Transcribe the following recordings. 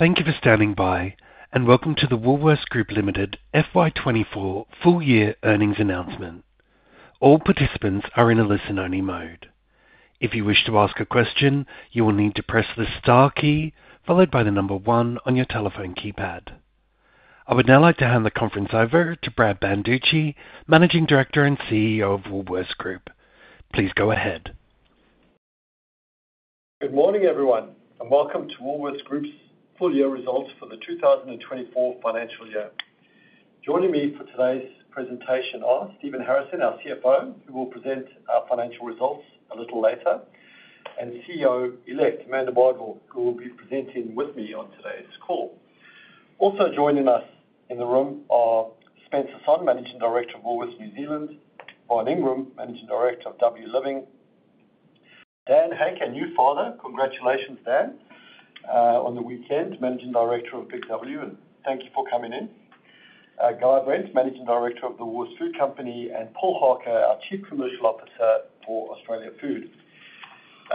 Thank you for standing by, and welcome to the Woolworths Group Limited FY 2024 full year earnings announcement. All participants are in a listen-only mode. If you wish to ask a question, you will need to press the star key followed by the number one on your telephone keypad. I would now like to hand the conference over to Brad Banducci, Managing Director and CEO of Woolworths Group. Please go ahead. Good morning, everyone, and welcome to Woolworths Group's full year results for the 2024 financial year. Joining me for today's presentation are Stephen Harrison, our CFO, who will present our financial results a little later, and CEO-elect, Amanda Bardwell, who will be presenting with me on today's call. Also joining us in the room are Spencer Sonn, Managing Director of Woolworths New Zealand, Von Ingram, Managing Director of W Living, Dan Hake, a new father. Congratulations, Dan, on the weekend, Managing Director of BIG W, and thank you for coming in. Guy Brent, Managing Director of the Woolworths Food Company, and Paul Harker, our Chief Commercial Officer for Australian Food.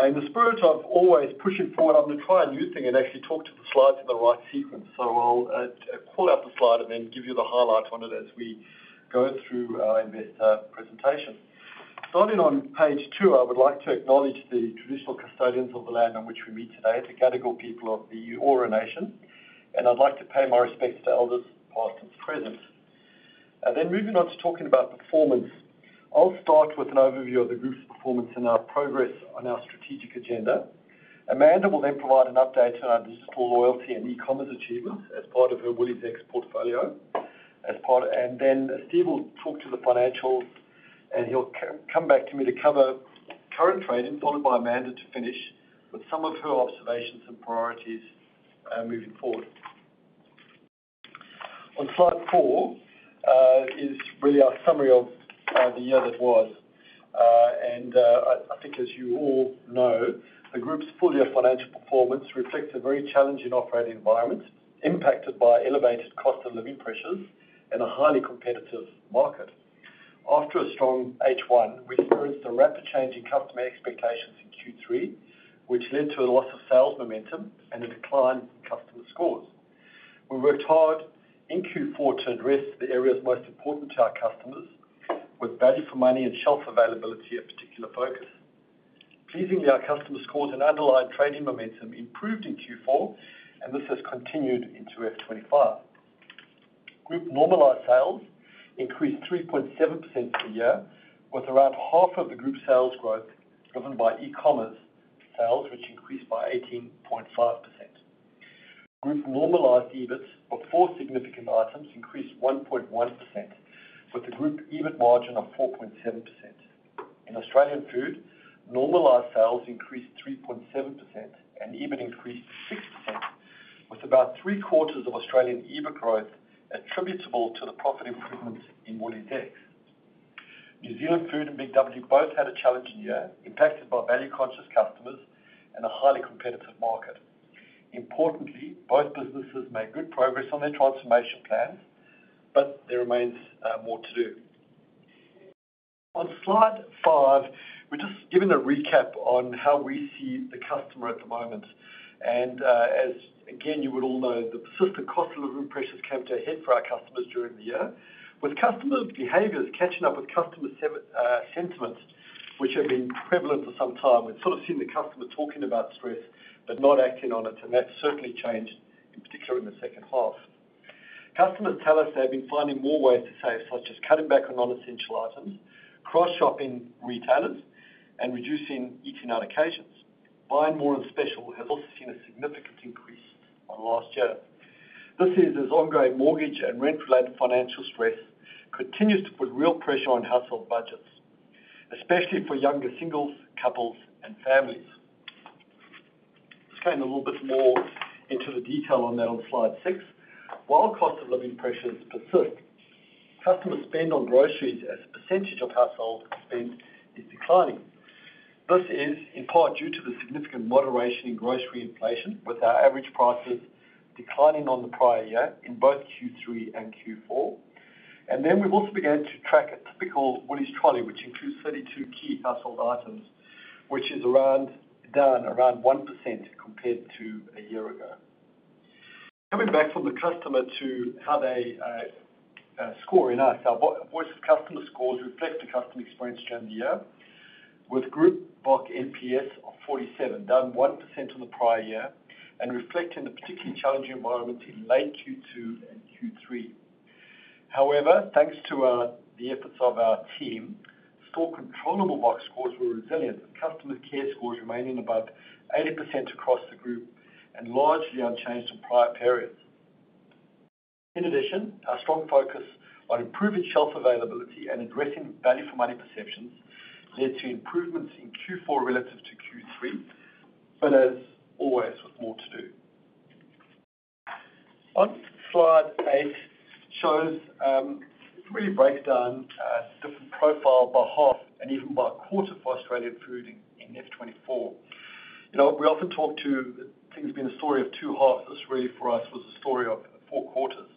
In the spirit of always pushing forward, I'm gonna try a new thing and actually talk to the slides in the right sequence. So I'll call out the slide and then give you the highlights on it as we go through in this presentation. Starting on page two, I would like to acknowledge the traditional custodians of the land on which we meet today, the Gadigal people of the Eora Nation, and I'd like to pay my respects to elders, past and present. And then moving on to talking about performance. I'll start with an overview of the group's performance and our progress on our strategic agenda. Amanda will then provide an update on our digital loyalty and e-commerce achievements as part of her WooliesX portfolio. And then Steve will talk to the financials, and he'll come back to me to cover current trading, followed by Amanda to finish with some of her observations and priorities moving forward. On slide four is really our summary of the year that was, and I think as you all know, the group's full year financial performance reflects a very challenging operating environment, impacted by elevated cost of living pressures and a highly competitive market. After a strong H1, we experienced a rapid change in customer expectations in Q3, which led to a loss of sales momentum and a decline in customer scores. We worked hard in Q4 to address the areas most important to our customers, with value for money and shelf availability a particular focus. Pleasingly, our customer scores and underlying trading momentum improved in Q4, and this has continued into FY 2025. Group normalized sales increased 3.7% per year, with around half of the group's sales growth driven by e-commerce sales, which increased by 18.5%. Group normalized EBIT for four significant items increased 1.1%, with a group EBIT margin of 4.7%. In Australian Food, normalized sales increased 3.7% and EBIT increased 6%, with about three quarters of Australian EBIT growth attributable to the profit improvements in WooliesX. New Zealand Food and BIG W both had a challenging year, impacted by value-conscious customers and a highly competitive market. Importantly, both businesses made good progress on their transformation plans, but there remains more to do. On slide five, we're just giving a recap on how we see the customer at the moment. And as again, you would all know, the persistent cost of living pressures came to a head for our customers during the year, with customer behaviors catching up with customer sentiments, which have been prevalent for some time. We've sort of seen the customer talking about stress, but not acting on it, and that's certainly changed, in particular in the second half. Customers tell us they have been finding more ways to save, such as cutting back on non-essential items, cross-shopping retailers, and reducing eating out occasions. Buying more on special has also seen a significant increase on last year. This is as ongoing mortgage and rent-related financial stress continues to put real pressure on household budgets, especially for younger singles, couples, and families. Let's go in a little bit more into the detail on that on Slide six. While cost of living pressure is persisting, customer spend on groceries as a percentage of household spend is declining. This is in part due to the significant moderation in grocery inflation, with our average prices declining on the prior year in both Q3 and Q4. Then we've also began to track a typical Woolies trolley, which includes 32 key household items, which is down around 1% compared to a year ago. Coming back to the customer to how they score in our voice of customer scores reflect the customer experience during the year, with group VOC NPS of 47, down 1% on the prior year and reflecting the particularly challenging environment in late Q2 and Q3. However, thanks to the efforts of our team, store controllable VOC scores were resilient, with customer care scores remaining above 80% across the group and largely unchanged from prior periods. In addition, our strong focus on improving shelf availability and addressing value for money perceptions led to improvements in Q4 relative to Q3, but as always, with more to do. On Slide eight shows really breakdown different profile by half and even by a quarter for Australian Food in FY2024. You know, we often talk to things being a story of two halves. This really, for us, was a story of four quarters.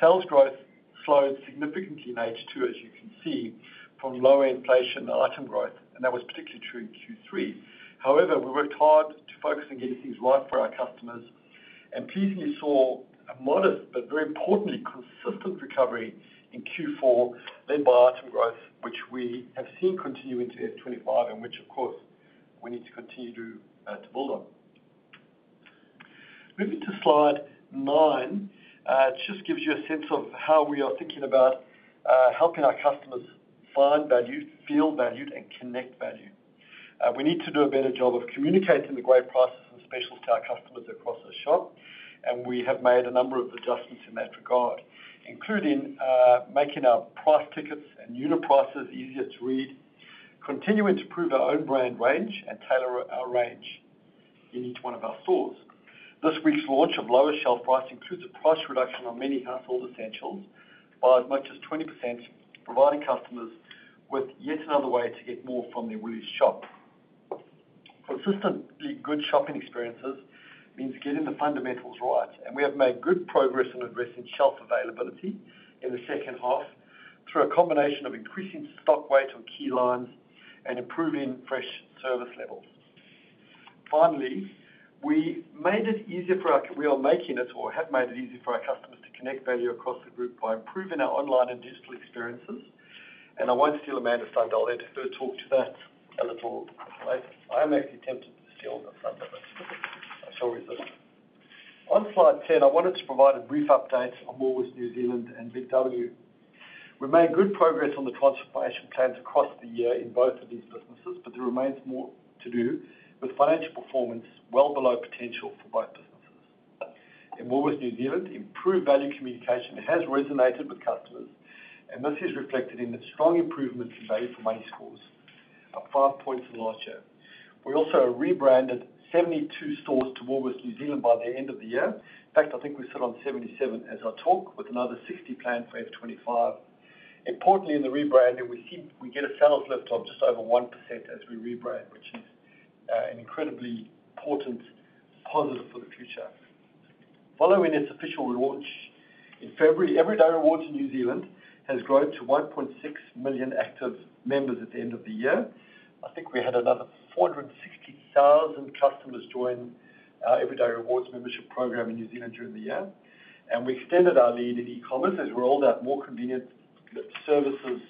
Sales growth slowed significantly in H2, as you can see, from lower inflation item growth, and that was particularly true in Q3. However, we worked hard to focus on getting things right for our customers, and pleasingly saw a modest, but very importantly, consistent recovery in Q4, led by item growth, which we have seen continue into F 2025, and which, of course, we need to continue to build on. Moving to Slide nine, it just gives you a sense of how we are thinking about helping our customers find value, feel valued, and connect value. We need to do a better job of communicating the great prices and specials to our customers across the shop, and we have made a number of adjustments in that regard, including making our price tickets and unit prices easier to read, continuing to improve our own brand range and tailor our range in each one of our stores. This week's launch of lower shelf pricing includes a price reduction on many household essentials by as much as 20%, providing customers with yet another way to get more from their Woolies shop. Consistently good shopping experiences means getting the fundamentals right, and we have made good progress in addressing shelf availability in the second half through a combination of increasing stock weight on key lines and improving fresh service levels. Finally, we are making it or have made it easier for our customers to connect value across the group by improving our online and digital experiences. I won't steal Amanda's thunder. I'll let her talk to that a little later. I am actually tempted to steal the thunder, but I shall resist. On Slide 10, I wanted to provide a brief update on Woolworths New Zealand and Big W. We made good progress on the transformation plans across the year in both of these businesses, but there remains more to do, with financial performance well below potential for both businesses. In Woolworths New Zealand, improved value communication has resonated with customers, and this is reflected in the strong improvements in value for money scores, up five points last year. We also rebranded 72 stores to Woolworths New Zealand by the end of the year. In fact, I think we sit on 77 as I talk, with another 60 planned for F 2025. Importantly, in the rebranding, we see we get a sales lift of just over 1% as we rebrand, which is an incredibly important positive for the future. Following its official relaunch in February, Everyday Rewards in New Zealand has grown to 1.6 million active members at the end of the year. I think we had another 460,000 customers join our Everyday Rewards membership program in New Zealand during the year. And we extended our lead in e-commerce as we rolled out more convenient services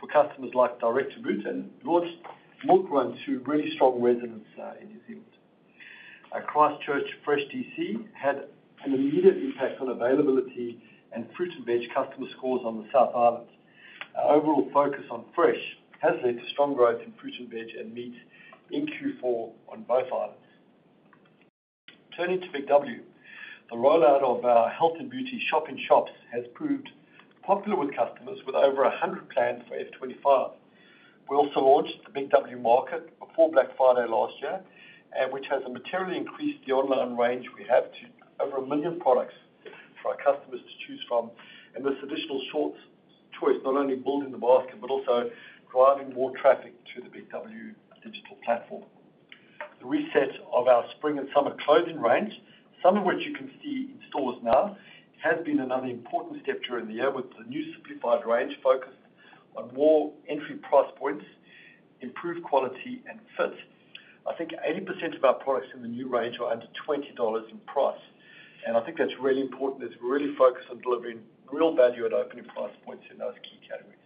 for customers, like Direct to Boot, and launched MILKRUN to really strong resonance in New Zealand. Our Christchurch fresh DC had an immediate impact on availability and fruit and veg customer scores on the South Island. Our overall focus on fresh has led to strong growth in fruit and veg and meat in Q4 on both islands. Turning to BIG W, the rollout of our health and beauty shop in shops has proved popular with customers, with over 100 planned for F 2025. We also launched the BIG W Market before Black Friday last year, which has materially increased the online range we have to over 1 million products for our customers to choose from. And this additional choice, not only building the basket, but also driving more traffic to the BIG W digital platform. The reset of our spring and summer clothing range, some of which you can see in stores now, has been another important step during the year, with the new simplified range focused on more entry price points, improved quality and fit. I think 80% of our products in the new range are under $20 in price, and I think that's really important, as we're really focused on delivering real value at opening price points in those key categories.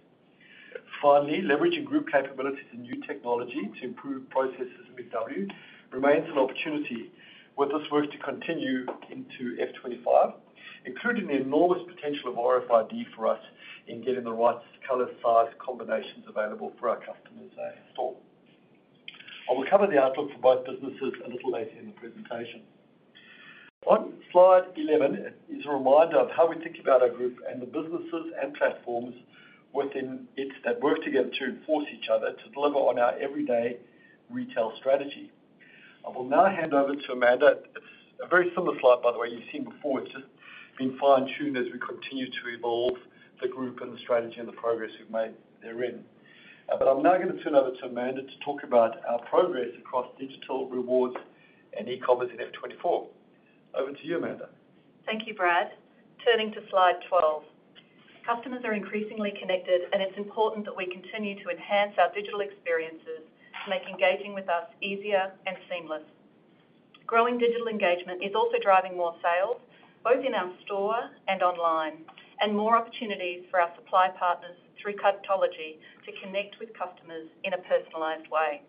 Finally, leveraging group capabilities and new technology to improve processes at BIG W remains an opportunity, with this work to continue into F 2025, including the enormous potential of RFID for us in getting the right color, size, combinations available for our customers, in store. I will cover the outlook for both businesses a little later in the presentation. On Slide 11 is a reminder of how we think about our group and the businesses and platforms within it that work together to reinforce each other to deliver on our everyday retail strategy. I will now hand over to Amanda. It's a very similar slide, by the way, you've seen before. It's just been fine-tuned as we continue to evolve the group and the strategy and the progress we've made therein. But I'm now going to turn over to Amanda to talk about our progress across digital rewards and e-commerce in F 2024. Over to you, Amanda. Thank you, Brad. Turning to Slide 12. Customers are increasingly connected, and it's important that we continue to enhance our digital experiences to make engaging with us easier and seamless. Growing digital engagement is also driving more sales, both in our store and online, and more opportunities for our supply partners through Cartology to connect with customers in a personalized way.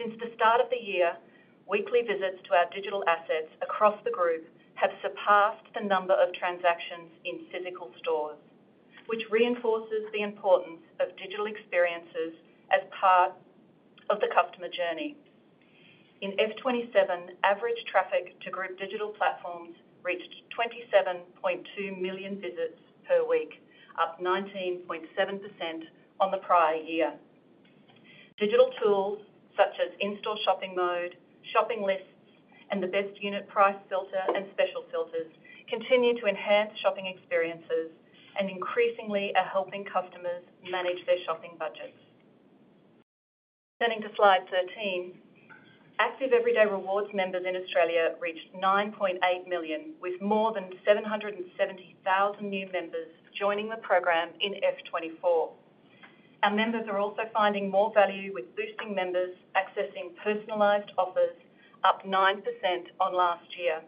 Since the start of the year, weekly visits to our digital assets across the group have surpassed the number of transactions in physical stores, which reinforces the importance of digital experiences as part of the customer journey. In F 2027, average traffic to group digital platforms reached 27.2 million visits per week, up 19.7% on the prior year. Digital tools such as in-store shopping mode, shopping lists, and the best unit price filter and special filters continue to enhance shopping experiences and increasingly are helping customers manage their shopping budgets... Turning to slide 13, active Everyday Rewards members in Australia reached 9.8 million, with more than 770,000 new members joining the program in FY 2024. Our members are also finding more value, with boosting members accessing personalized offers up 9% on last year,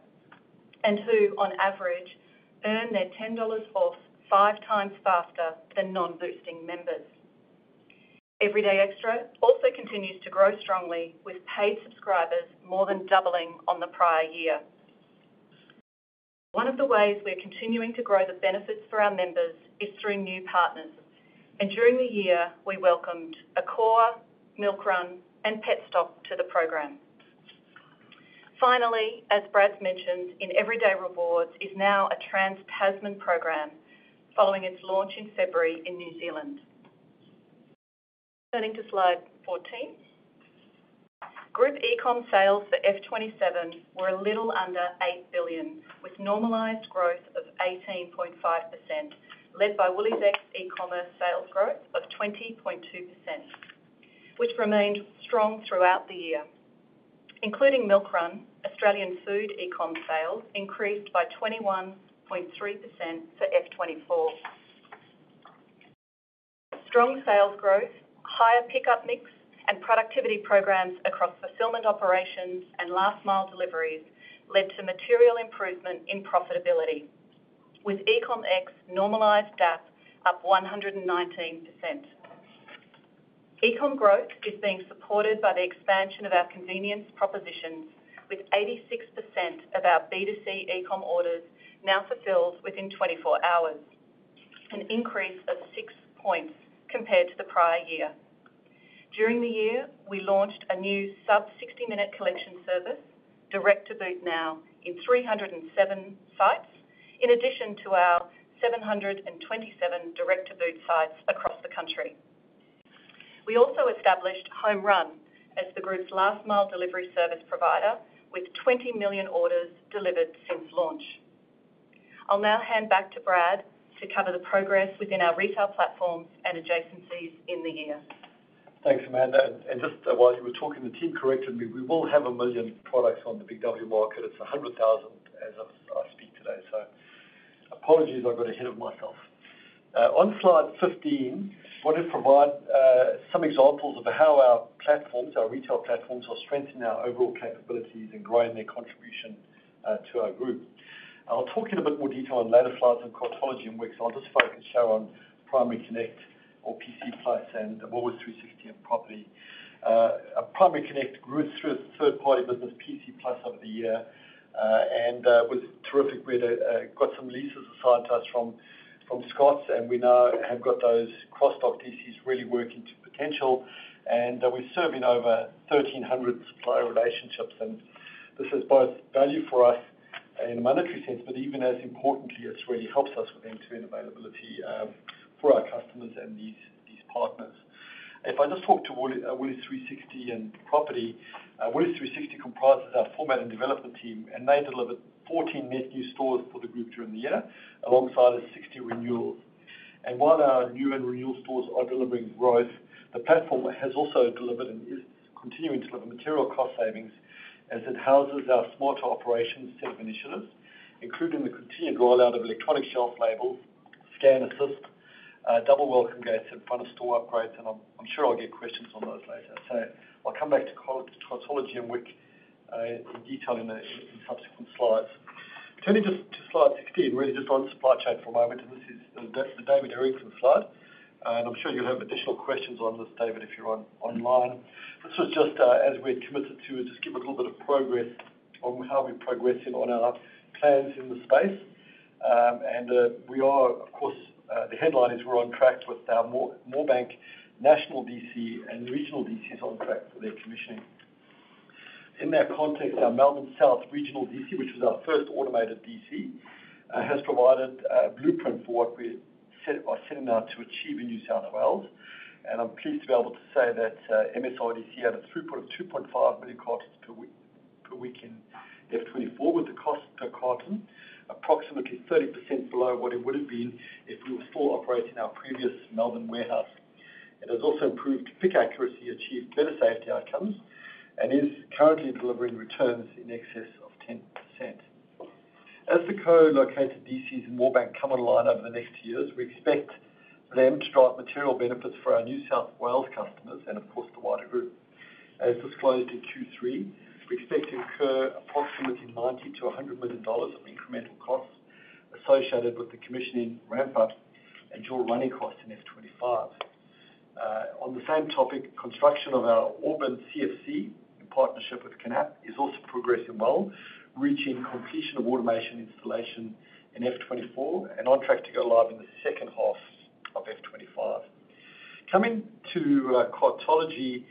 and who, on average, earn their $10 off five times faster than non-boosting members. Everyday Extra also continues to grow strongly, with paid subscribers more than doubling on the prior year. One of the ways we're continuing to grow the benefits for our members is through new partners, and during the year, we welcomed Accor, Milk Run, and Petstock to the program. Finally, as Brad mentioned, Everyday Rewards is now a Trans-Tasman program, following its launch in February in New Zealand. Turning to Slide 14. Group eCom sales for FY 2027 were a little under 8 billion, with normalized growth of 18.5%, led by WooliesX e-commerce sales growth of 20.2%, which remained strong throughout the year. Including Milk Run, Australian food eCom sales increased by 21.3% for FY 2024. Strong sales growth, higher pickup mix, and productivity programs across fulfillment operations and last mile deliveries led to material improvement in profitability, with eCom's normalized gap up 119%. eCom growth is being supported by the expansion of our convenience propositions, with 86% of our B2C eCom orders now fulfilled within 24 hours, an increase of 6 points compared to the prior year. During the year, we launched a new sub 60 minute collection service, Direct to Boot Now, in 307 sites, in addition to our 727 Direct to Boot sites across the country. We also established HomeRun as the group's last mile delivery service provider, with 20 million orders delivered since launch. I'll now hand back to Brad to cover the progress within our retail platforms and adjacencies in the year. Thanks, Amanda, and just while you were talking, the team corrected me. We will have 1 million products on the BIG W Market. It's 100,000 as I speak today, so apologies, I got ahead of myself. On slide 15, I want to provide some examples of how our platforms, our retail platforms, are strengthening our overall capabilities and growing their contribution to our group. I'll talk in a bit more detail on later slides on Cartology and WiQ. So I'll just focus and show on Primary Connect or PC Plus and Woolworths 360 and Property. Primary Connect grew through its third-party business, PC Plus, over the year and was terrific. We got some leases assigned to us from Scott's, and we now have got those cross-dock DCs really working to potential. We're serving over 1,300 supplier relationships, and this is both value for us in a monetary sense, but even as importantly, it really helps us with end-to-end availability for our customers and these partners. If I just talk to Woolies 360 and Property, Woolies 360 comprises our format and development team, and they delivered 14 net new stores for the group during the year, alongside 60 renewals. While our new and renewal stores are delivering growth, the platform has also delivered and is continuing to deliver material cost savings as it houses our smarter operations tech initiatives, including the continued rollout of electronic shelf labels, Scan Assist, double welcome gates in front of store upgrades, and I'm sure I'll get questions on those later. So I'll come back to Cartology and WiQ in detail in subsequent slides. Turning to slide 16, really just on supply chain for a moment, and this is the David Eccleston slide, and I'm sure you'll have additional questions on this, David, if you're online. This is just, as we're committed to, just give a little bit of progress on how we're progressing on our plans in the space. And we are, of course, the headline is we're on track with our Moorebank National DC and Regional DCs on track for their commissioning. In that context, our Melbourne South Regional DC, which is our first automated DC, has provided a blueprint for what we are setting out to achieve in New South Wales. I'm pleased to be able to say that MSRDC had a throughput of 2.5 million cartons per week in F 2024, with the cost per carton approximately 30% below what it would've been if we were still operating our previous Melbourne warehouse. It has also improved pick accuracy, achieved better safety outcomes, and is currently delivering returns in excess of 10%. As the co-located DCs in Moorebank come online over the next years, we expect them to drive material benefits for our New South Wales customers and, of course, the wider group. As disclosed in 2023, we expect to incur approximately $90-100 million of incremental costs associated with the commissioning ramp-up and dual running costs in F 2025. On the same topic, construction of our Auburn CFC in partnership with KNAPP is also progressing well, reaching completion of automation installation in F 2024 and on track to go live in the second half of F 2025. Coming to Cartology,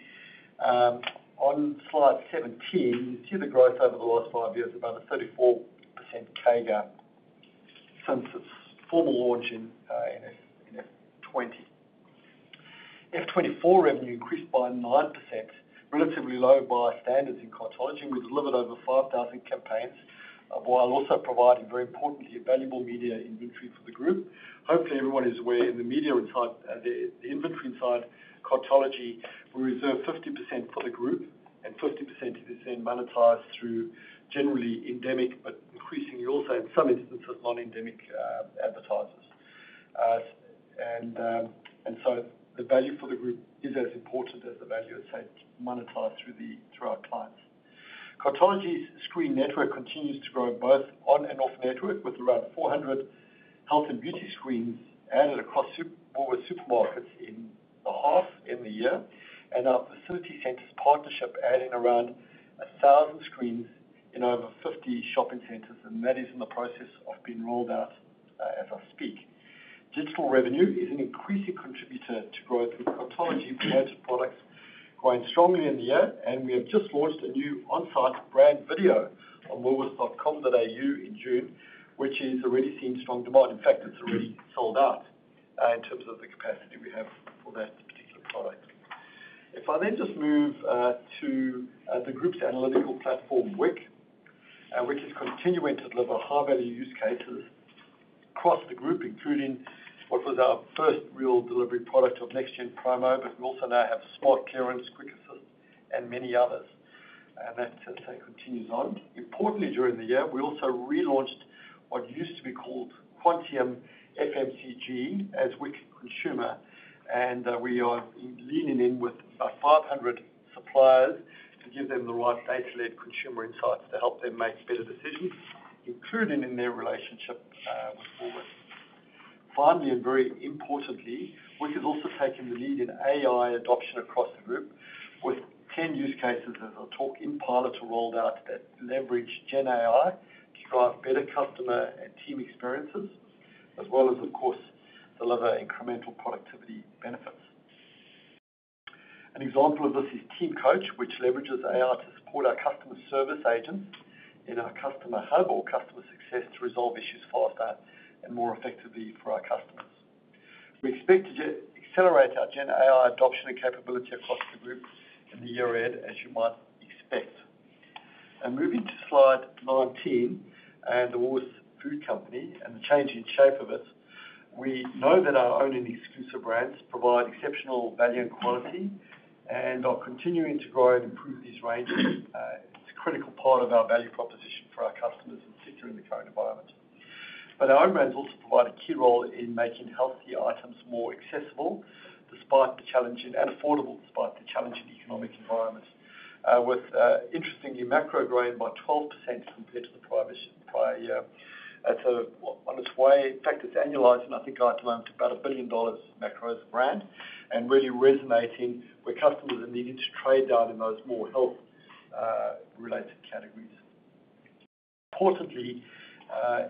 on slide 17, you see the growth over the last five years, about a 34% CAGR since its formal launch in F 2020. F 2024 revenue increased by 9%, relatively low by standards in Cartology. We delivered over 5,000 campaigns while also providing very importantly valuable media inventory for the group. Hopefully, everyone is aware in the media side, the inventory side, Cartology, we reserve 50% for the group and 50% is then monetized through generally endemic, but increasingly also in some instances, non-endemic advertisers. And so the value for the group is as important as the value, let's say, monetized through our clients. Cartology's screen network continues to grow both on and off network, with around 400 health and beauty screens added across supermarkets Woolworths supermarkets in the half, in the year, and our fulfilment centres partnership adding around 1,000 screens in over 50 shopping centres, and that is in the process of being rolled out as I speak. Digital revenue is an increasing contributor to growth, with Cartology enhanced products growing strongly in the year, and we have just launched a new on-site brand video on Woolworths.com.au in June, which is already seeing strong demand. In fact, it's already sold out in terms of the capacity we have for that particular product. If I then just move to the group's analytical platform, WIQ, WIQ is continuing to deliver high-value use cases across the group, including what was our first real delivery product of Next Gen Promo, but we also now have Spot Clearance, Quick Assist, and many others. And that, let's say, continues on. Importantly, during the year, we also relaunched what used to be called Quantium FMCG as WIQ Consumer, and we are leaning in with about 500 suppliers to give them the right data-led consumer insights to help them make better decisions, including in their relationship with Woolworths. Finally, and very importantly, WIQ has also taken the lead in AI adoption across the group, with 10 use cases as I talk in pilot to rolled out that leverage Gen AI to drive better customer and team experiences, as well as, of course, deliver incremental productivity benefits. An example of this is Team Coach, which leverages AI to support our customer service agents in our customer hub or customer success, to resolve issues faster and more effectively for our customers. We expect to accelerate our Gen AI adoption and capability across the group in the year end, as you might expect. Moving to slide 19, and the Woolworths Food Company and the changing shape of it. We know that our owned and exclusive brands provide exceptional value and quality, and are continuing to grow and improve these ranges. It's a critical part of our value proposition for our customers, and particularly in the current environment. But our own brands also provide a key role in making healthier items more accessible and affordable, despite the challenging economic environment. With, interestingly, Macro growing by 12% compared to the prior year. So on its way, in fact, it's annualizing, I think, at the moment, about $1 billion Macro as a brand, and really resonating where customers are needing to trade down in those more health related categories. Importantly,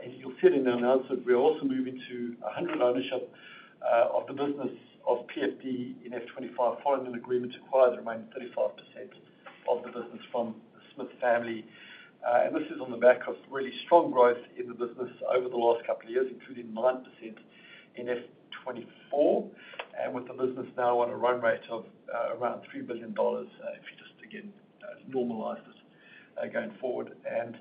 as you'll see in the announcement, we are also moving to 100% ownership of the business of PFD in FY 2025, following an agreement to acquire the remaining 35% of the business from the Smith family. And this is on the back of really strong growth in the business over the last couple of years, including 9% in FY 2024, and with the business now on a run rate of around $3 billion, if you just again normalize going forward. And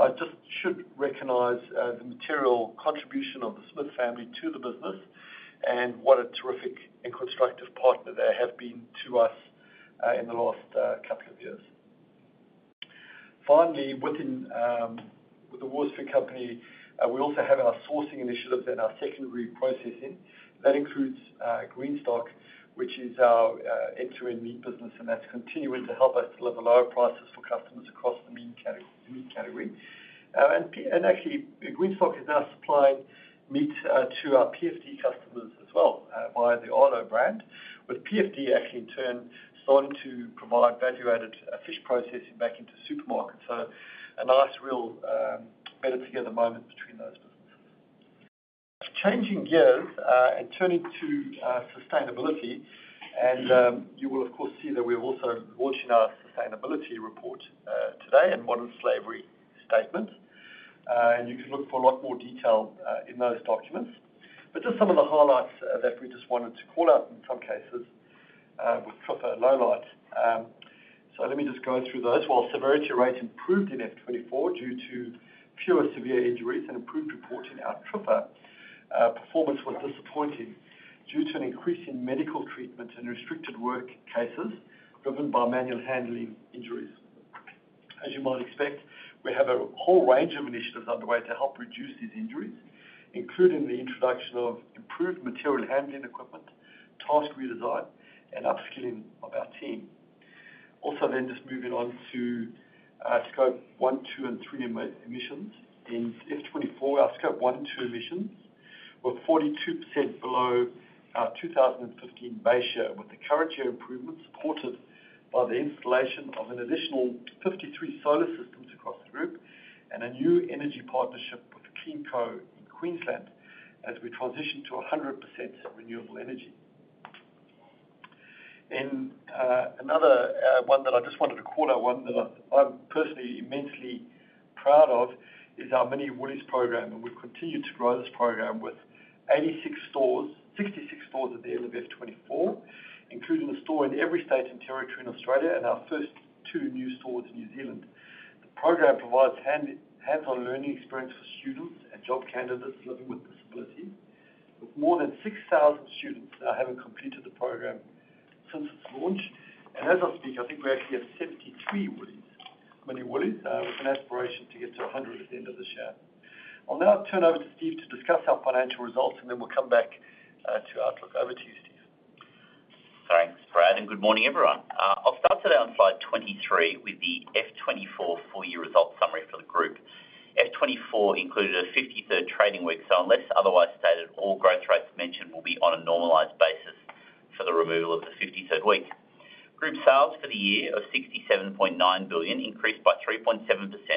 I just should recognize the material contribution of the Smith family to the business, and what a terrific and constructive partner they have been to us in the last couple of years. Finally, with the Woolworths Food Company, we also have our sourcing initiatives and our secondary processing. That includes Greenstock, which is our entry into meat business, and that's continuing to help us deliver lower prices for customers across the meat category. And actually, Greenstock is now supplying meat to our PFD customers as well via the Marlow brand, with PFD actually in turn starting to provide value-added fish processing back into supermarkets. So a nice real better together moment between those businesses. Changing gears and turning to sustainability and you will of course see that we're also launching our sustainability report today and Modern Slavery Statement. And you can look for a lot more detail in those documents. But just some of the highlights that we just wanted to call out in some cases with TRIFR lowlights. So let me just go through those. While severity rates improved in FY 2024 due to fewer severe injuries and improved reporting, our TRIFR performance was disappointing due to an increase in medical treatment and restricted work cases driven by manual handling injuries. As you might expect, we have a whole range of initiatives underway to help reduce these injuries, including the introduction of improved material handling equipment, task redesign, and upskilling of our team. Also then just moving on to Scope 1, 2, and 3 emissions. In FY 2024, our Scope 1 and 2 emissions were 42% below our 2015 base year, with the current year improvement supported by the installation of an additional 53 solar systems across the group, and a new energy partnership with CleanCo in Queensland, as we transition to 100% renewable energy. In another one that I just wanted to call out, one that I'm personally immensely proud of is our Mini Woolies program, and we've continued to grow this program with 86 stores, 66 stores at the end of FY 2024, including a store in every state and territory in Australia and our first two new stores in New Zealand. The program provides hands-on learning experience for students and job candidates living with disability. With more than 6,000 students having completed the program since its launch, and as I speak, I think we actually have 73 Woolies Mini Woolies with an aspiration to get to 100 at the end of this year. I'll now turn over to Steve to discuss our financial results, and then we'll come back to outlook. Over to you, Steve. Thanks, Brad, and good morning, everyone. I'll start today on slide 23 with the F 2024 full year results summary for the group. F 2024 included a 53rd trading week, so unless otherwise stated, all growth rates mentioned will be on a normalized basis for the removal of the 53rd week. Group sales for the year of $67.9 billion increased by 3.7%,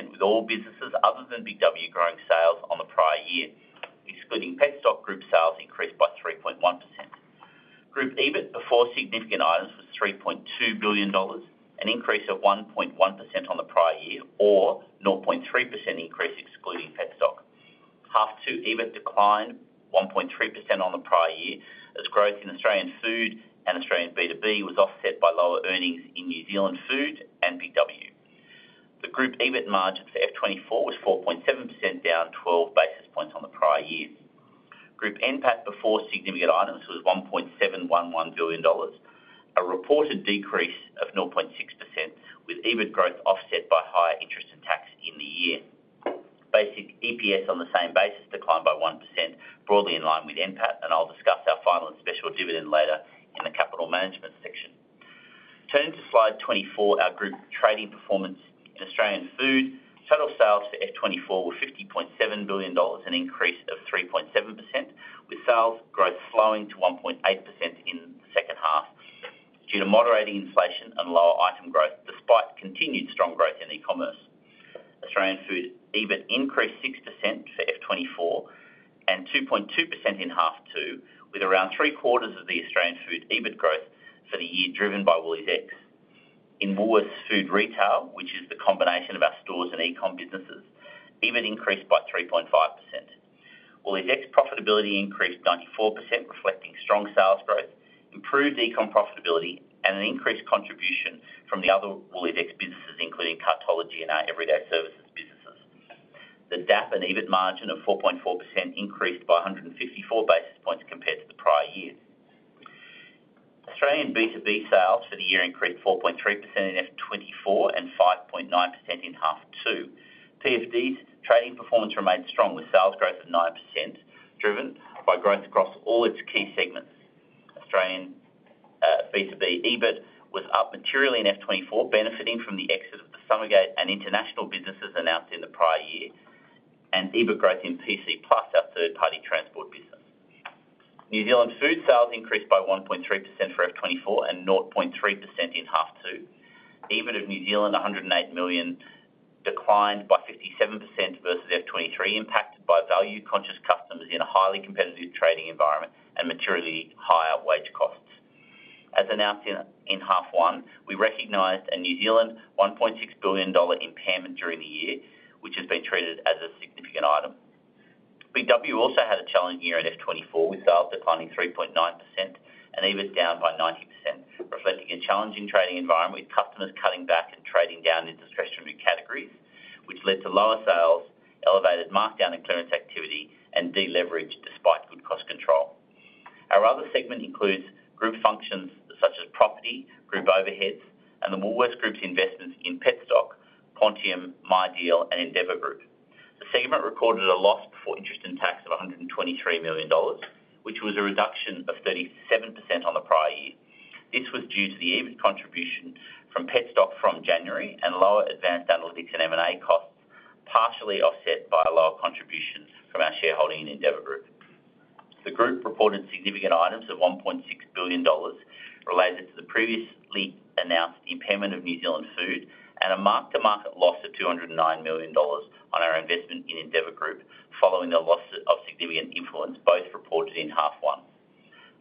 with all businesses other than Big W growing sales on the prior year. Excluding Petstock, group sales increased by 3.1%. Group EBIT before significant items was $3.2 billion, an increase of 1.1% on the prior year or 0.3% increase excluding Petstock. H2, EBIT declined 1.3% on the prior year, as growth in Australian Food and Australian B2B was offset by lower earnings in New Zealand Food and BIG W. The group EBIT margin for FY 2024 was 4.7%, down 12 basis points on the prior year. Group NPAT before significant items was $1.711 billion, a reported decrease of 0.6%, with EBIT growth offset by higher interest and tax in the year. Basic EPS on the same basis declined by 1%, broadly in line with NPAT, and I'll discuss our final and special dividend later in the capital management section. Turning to Slide 24, our group trading performance in Australian Food, total sales for FY 2024 were $50.7 billion, an increase of 3.7%, with sales growth slowing to 1.8% in the second half due to moderating inflation and lower item growth, despite continued strong growth in e-commerce. Australian Food EBIT increased 6% for FY 2024 and 2.2% in half two, with around three quarters of the Australian Food EBIT growth for the year driven by WooliesX. In Woolworths Food Retail, which is the combination of our stores and e-com businesses, EBIT increased by 3.5%. WooliesX profitability increased 94%, reflecting strong sales growth, improved e-com profitability, and an increased contribution from the other WooliesX businesses, including Cartology and our Everyday Services businesses. The DAP and EBIT margin of 4.4% increased by a 154 basis points compared to the prior year. Australian B2B sales for the year increased 4.3% in FY 2024 and 5.9% in half two. PFD's trading performance remained strong, with sales growth of 9%, driven by growth across all its key segments. Australian B2B EBIT was up materially in FY 2024, benefiting from the exit of the Summergate and international businesses announced in the prior year, and EBIT growth in PC Plus, our third-party transport business. New Zealand Food sales increased by 1.3% for FY 2024 and 0.3% in half two. EBIT of New Zealand, 108 million, declined by 57% versus FY 2023, impacted by value-conscious customers in a highly competitive trading environment and materially higher wage costs. As announced in H1, we recognized a New Zealand $1.6 billion impairment during the year, which has been treated as a significant item. BIG W also had a challenging year in FY 2024, with sales declining 3.9% and EBIT down by 90%, reflecting a challenging trading environment with customers cutting back and trading down into discretionary categories, which led to lower sales, elevated markdown and clearance activity, and deleverage despite good cost control. Our other segment includes group functions such as property, group overheads, and the Woolworths Group's investments in Petstock, Quantium, MyDeal, and Endeavour Group. The segment recorded a loss before interest in tax of $123 million, which was a reduction of 37% on the prior year. This was due to the EBIT contribution from Petstock from January and lower advanced analytics and M&A costs, partially offset by lower contributions from our shareholding in Endeavour Group. The group reported significant items of $1.6 billion related to the previously announced impairment of New Zealand Food, and a mark-to-market loss of $209 million on our investment in Endeavour Group, following the loss of significant influence, both reported in half one.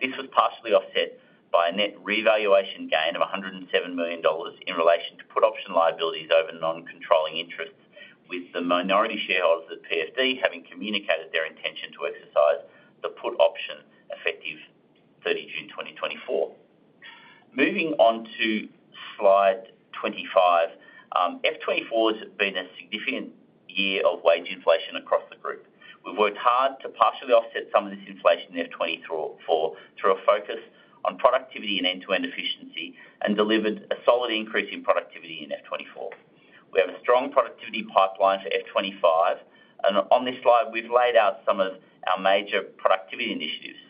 This was partially offset by a net revaluation gain of $107 million in relation to put option liabilities over non-controlling interests, with the minority shareholders of PFD having communicated their intention to exercise the put option, effective 30 June 2024. Moving on to Slide 25, FY 2024 has been a significant year of wage inflation across the group. We've worked hard to partially offset some of this inflation in FY 2024 through a focus on productivity and end-to-end efficiency, and delivered a solid increase in productivity in FY 2024. We have a strong productivity pipeline for FY 2025, and on this slide, we've laid out some of our major productivity initiatives.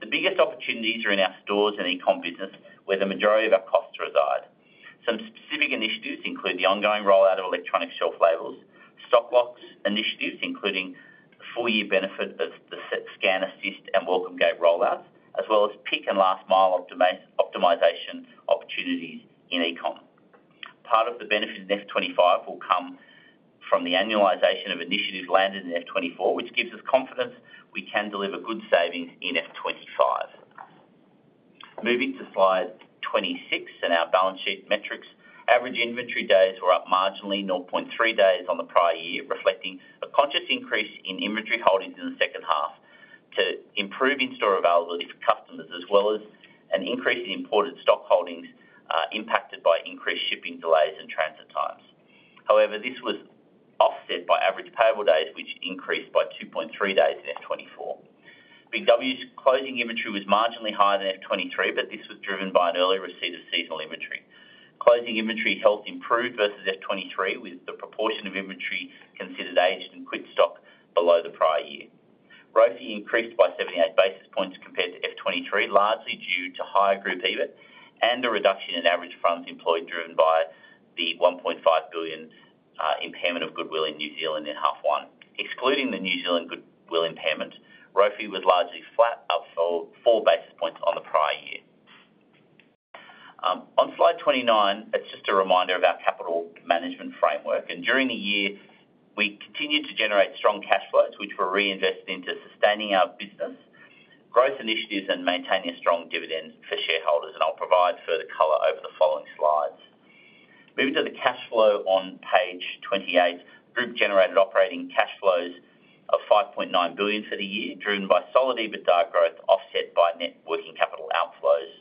The biggest opportunities are in our stores and e-com business, where the majority of our costs reside. Some specific initiatives include the ongoing rollout of electronic shelf labels, StockBox initiatives, including the full year benefit of the Scan Assist and Welcome Gate rollouts, as well as peak and last mile optimization opportunities in e-com. Part of the benefit in F 2025 will come from the annualization of initiatives landed in F 2024, which gives us confidence we can deliver good savings in F 2025. Moving to Slide 26 and our balance sheet metrics. Average inventory days were up marginally, nought point three days on the prior year, reflecting a conscious increase in inventory holdings in the second half to improve in-store availability for customers, as well as an increase in imported stock holdings, impacted by increased shipping delays and transit times. However, this was offset by average payable days, which increased by two point three days in F 2024. BIG W's closing inventory was marginally higher than F 2023, but this was driven by an early receipt of seasonal inventory. Closing inventory health improved versus F 2023, with the proportion of inventory considered aged and slow stock below the prior year. ROFE increased by 78 basis points compared to FY 2023, largely due to higher group EBIT and a reduction in average funds employed, driven by the 1.5 billion impairment of goodwill in New Zealand in half one. Excluding the New Zealand goodwill impairment, ROFE was largely flat, up 4 basis points on the prior year. On Slide 29, it's just a reminder of our capital management framework, and during the year, we continued to generate strong cash flows, which were reinvested into sustaining our business, growth initiatives, and maintaining a strong dividend for shareholders. And I'll provide further color over the following slides. Moving to the cash flow on page 28, group generated operating cash flows of 5.9 billion for the year, driven by solid EBITDA growth, offset by net working capital outflows.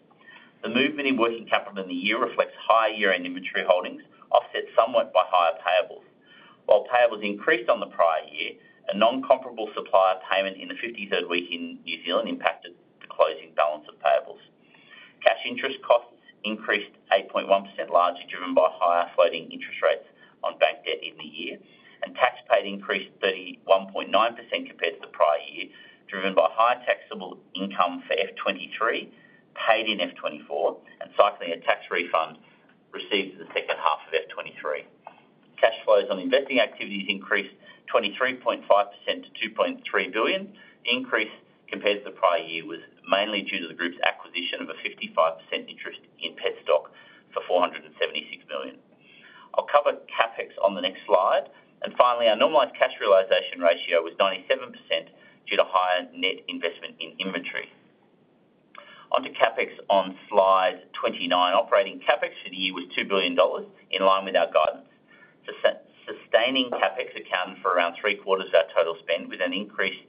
The movement in working capital in the year reflects higher year-end inventory holdings, offset somewhat by higher payables. While payables increased on the prior year, a non-comparable supplier payment in the 53rd week in New Zealand impacted the closing balance of payables. Cash interest costs increased 8.1%, largely driven by higher floating interest rates on bank debt in the year, and tax paid increased 31.9% compared to the prior year, driven by higher taxable income for FY 2023, paid in FY 2024, and cycling a tax refund received in the second half of FY 2023. Cash flows on investing activities increased 23.5% to 2.3 billion. The increase compared to the prior year was mainly due to the group's acquisition of a 55% interest in Petstock for 476 million. I'll cover CapEx on the next slide. Finally, our normalized cash realization ratio was 97% due to higher net investment in inventory. Onto CapEx on Slide 29. Operating CapEx for the year was $2 billion, in line with our guidance. Sustaining CapEx accounted for around three-quarters of our total spend, with an increase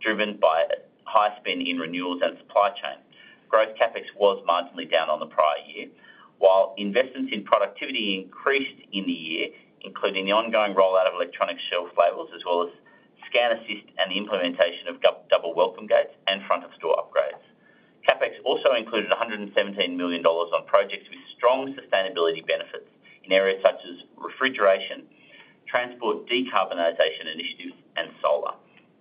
driven by higher spend in renewals and supply chain. Growth CapEx was marginally down on the prior year, while investments in productivity increased in the year, including the ongoing rollout of electronic shelf labels, as well as Scan Assist and the implementation of double welcome gates and front of store upgrades. CapEx also included $117 million on projects with strong sustainability benefits in areas such as refrigeration, transport, decarbonization initiatives, and solar.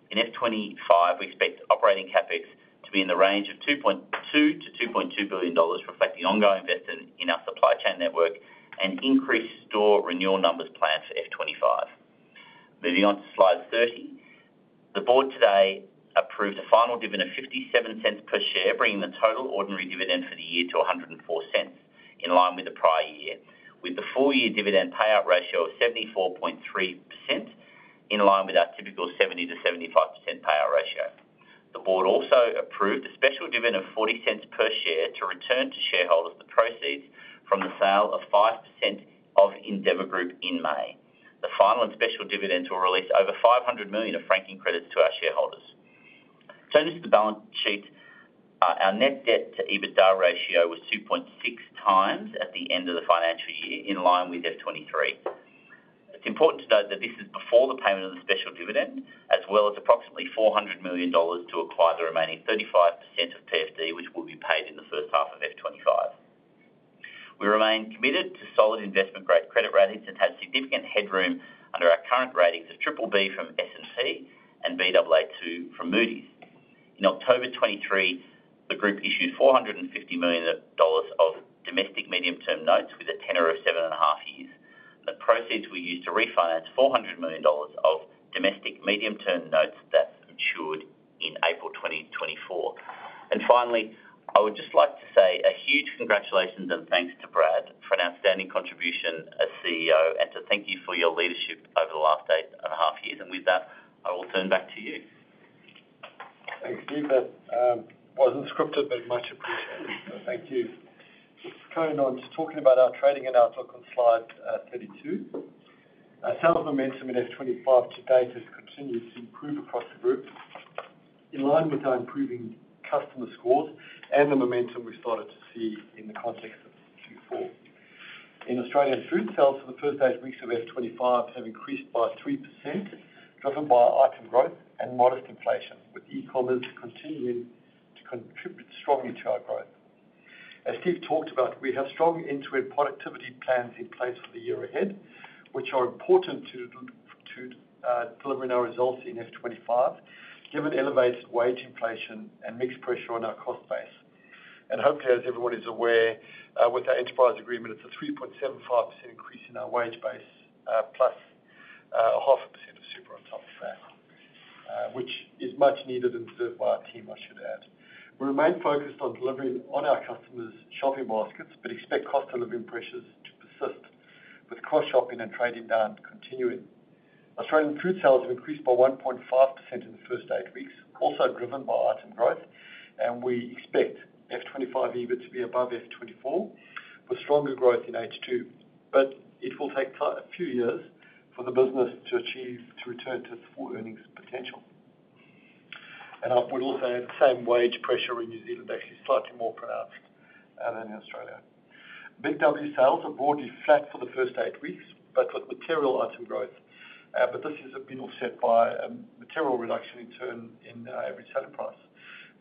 In FY 2025, we expect operating CapEx to be in the range of $2.2-$2.2 billion, reflecting ongoing investment in our supply chain network and increased store renewal numbers planned for FY 2025. Moving on to Slide 30. The board today approved a final dividend of 0.57 per share, bringing the total ordinary dividend for the year to 1.04, in line with the prior year, with the full year dividend payout ratio of 74.3%, in line with our typical 70%-75% payout ratio. The board also approved a special dividend of 0.40 per share to return to shareholders the proceeds from the sale of 5% of Endeavour Group in May. The final and special dividends will release over 500 million of franking credits to our shareholders. Turning to the balance sheet, our net debt to EBITDA ratio was 2.6x at the end of the financial year, in line with FY 2023. It's important to note that this is before the payment of the special dividend, as well as approximately $400 million to acquire the remaining 35% of PFD, which will be paid in the first half of FY 2025. We remain committed to solid investment-grade credit ratings and have significant headroom under our current ratings of BBB from S&P and Baa2 from Moody's. In October 2023, the group issued $450 million of domestic medium-term notes with a tenor of seven and a half years. The proceeds were used to refinance $400 million of domestic medium-term notes that matured in April 2024. Finally, I would just like to say a huge congratulations and thanks to Brad for an outstanding contribution as CEO and to thank you for your leadership over the last eight and a half years. With that, I will turn back to you. Thanks, Steve. That wasn't scripted, but much appreciated. Thank you. Carrying on to talking about our trading and our talk on Slide 32. Sales momentum in FY 2025 to date has continued to improve across the group in line with our improving customer scores and the momentum we started to see in the context of 2024. In Australia, food sales for the first eight weeks of FY 2025 have increased by 3%, driven by item growth and modest inflation, with e-commerce continuing to contribute strongly to our growth. As Steve talked about, we have strong enterprise productivity plans in place for the year ahead, which are important to delivering our results in FY 2025, given elevated wage inflation and mixed pressure on our cost base. Hopefully, as everyone is aware, with our enterprise agreement, it's a 3.75% increase in our wage base, +0.5% of super on top of that, which is much needed and deserved by our team, I should add. We remain focused on delivering on our customers' shopping baskets, but expect cost of living pressures to persist, with cross shopping and trading down continuing. Australian Food sales have increased by 1.5% in the first eight weeks, also driven by item growth, and we expect FY 2025 EBIT to be above FY 2024, with stronger growth in H2. It will take a few years for the business to achieve, to return to its full earnings potential. I would also add the same wage pressure in New Zealand, actually slightly more pronounced than in Australia. BIG W sales are broadly flat for the first eight weeks, but with material item growth, but this has been offset by material reduction in turn in average selling price.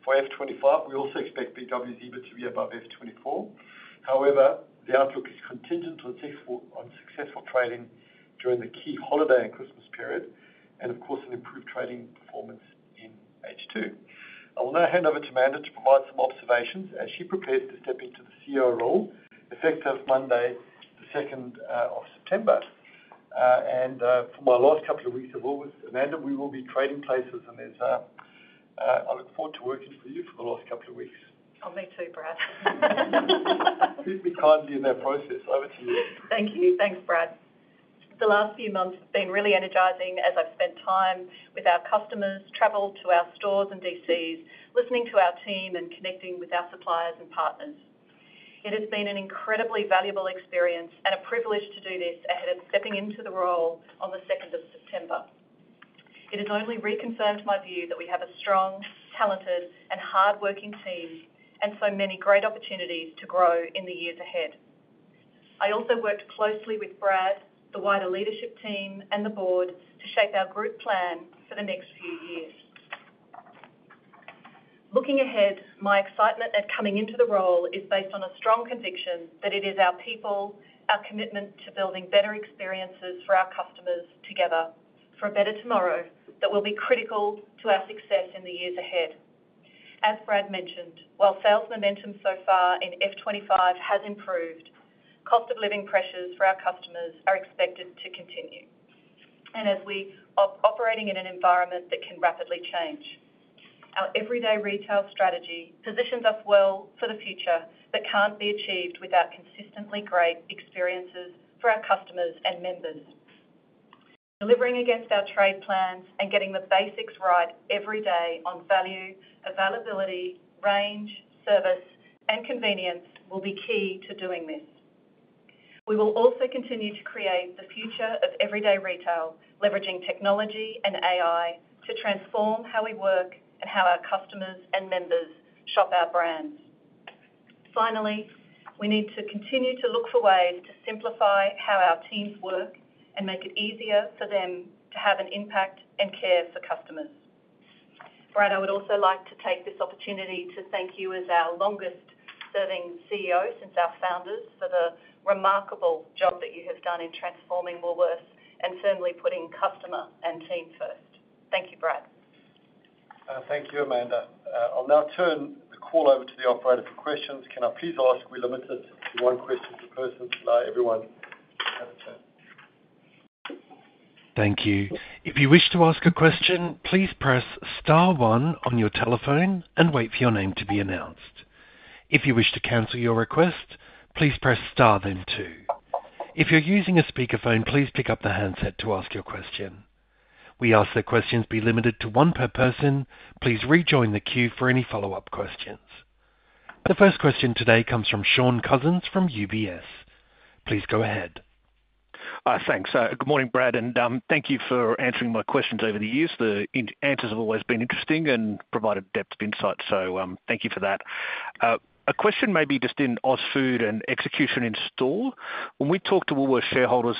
For F 2025, we also expect BIG W's EBIT to be above F 2024. However, the outlook is contingent on successful trading during the key holiday and Christmas period and of course, an improved trading performance in H2. I will now hand over to Amanda to provide some observations as she prepares to step into the CEO role, effective Monday, the second of September, and for my last couple of weeks at Woolworths, Amanda, we will be trading places, and there's, I look forward to working for you for the last couple of weeks. Oh, me too, Brad. Please be kind to me in that process. Over to you. Thank you. Thanks, Brad. The last few months have been really energizing as I've spent time with our customers, traveled to our stores and DCs, listening to our team and connecting with our suppliers and partners. It has been an incredibly valuable experience and a privilege to do this ahead of stepping into the role on the second of September. It has only reconfirmed my view that we have a strong, talented and hardworking team, and so many great opportunities to grow in the years ahead. I also worked closely with Brad, the wider leadership team, and the board to shape our group plan for the next few years. Looking ahead, my excitement at coming into the role is based on a strong conviction that it is our people, our commitment to building better experiences for our customers together, for a better tomorrow, that will be critical to our success in the years ahead. As Brad mentioned, while sales momentum so far in FY 2025 has improved, cost of living pressures for our customers are expected to continue, and as we are operating in an environment that can rapidly change, our everyday retail strategy positions us well for the future, but can't be achieved without consistently great experiences for our customers and members. Delivering against our trade plans and getting the basics right every day on value, availability, range, service, and convenience will be key to doing this. We will also continue to create the future of everyday retail, leveraging technology and AI to transform how we work and how our customers and members shop our brands. Finally, we need to continue to look for ways to simplify how our teams work and make it easier for them to have an impact and care for customers. Brad, I would also like to take this opportunity to thank you as our longest serving CEO since our founders, for the remarkable job that you have done in transforming Woolworths and firmly putting customer and team first. Thank you, Brad. Thank you, Amanda. I'll now turn the call over to the operator for questions. Can I please ask we limit it to one question per person to allow everyone to have a turn? Thank you. If you wish to ask a question, please press star one on your telephone and wait for your name to be announced. If you wish to cancel your request, please press star then two. If you're using a speakerphone, please pick up the handset to ask your question. We ask that questions be limited to one per person. Please rejoin the queue for any follow-up questions. The first question today comes from Shaun Cousins from UBS. Please go ahead. Thanks. Good morning, Brad, and thank you for answering my questions over the years. The answers have always been interesting and provided depth of insight, so thank you for that. A question maybe just in AusFood and execution in store. When we talk to Woolworths shareholders,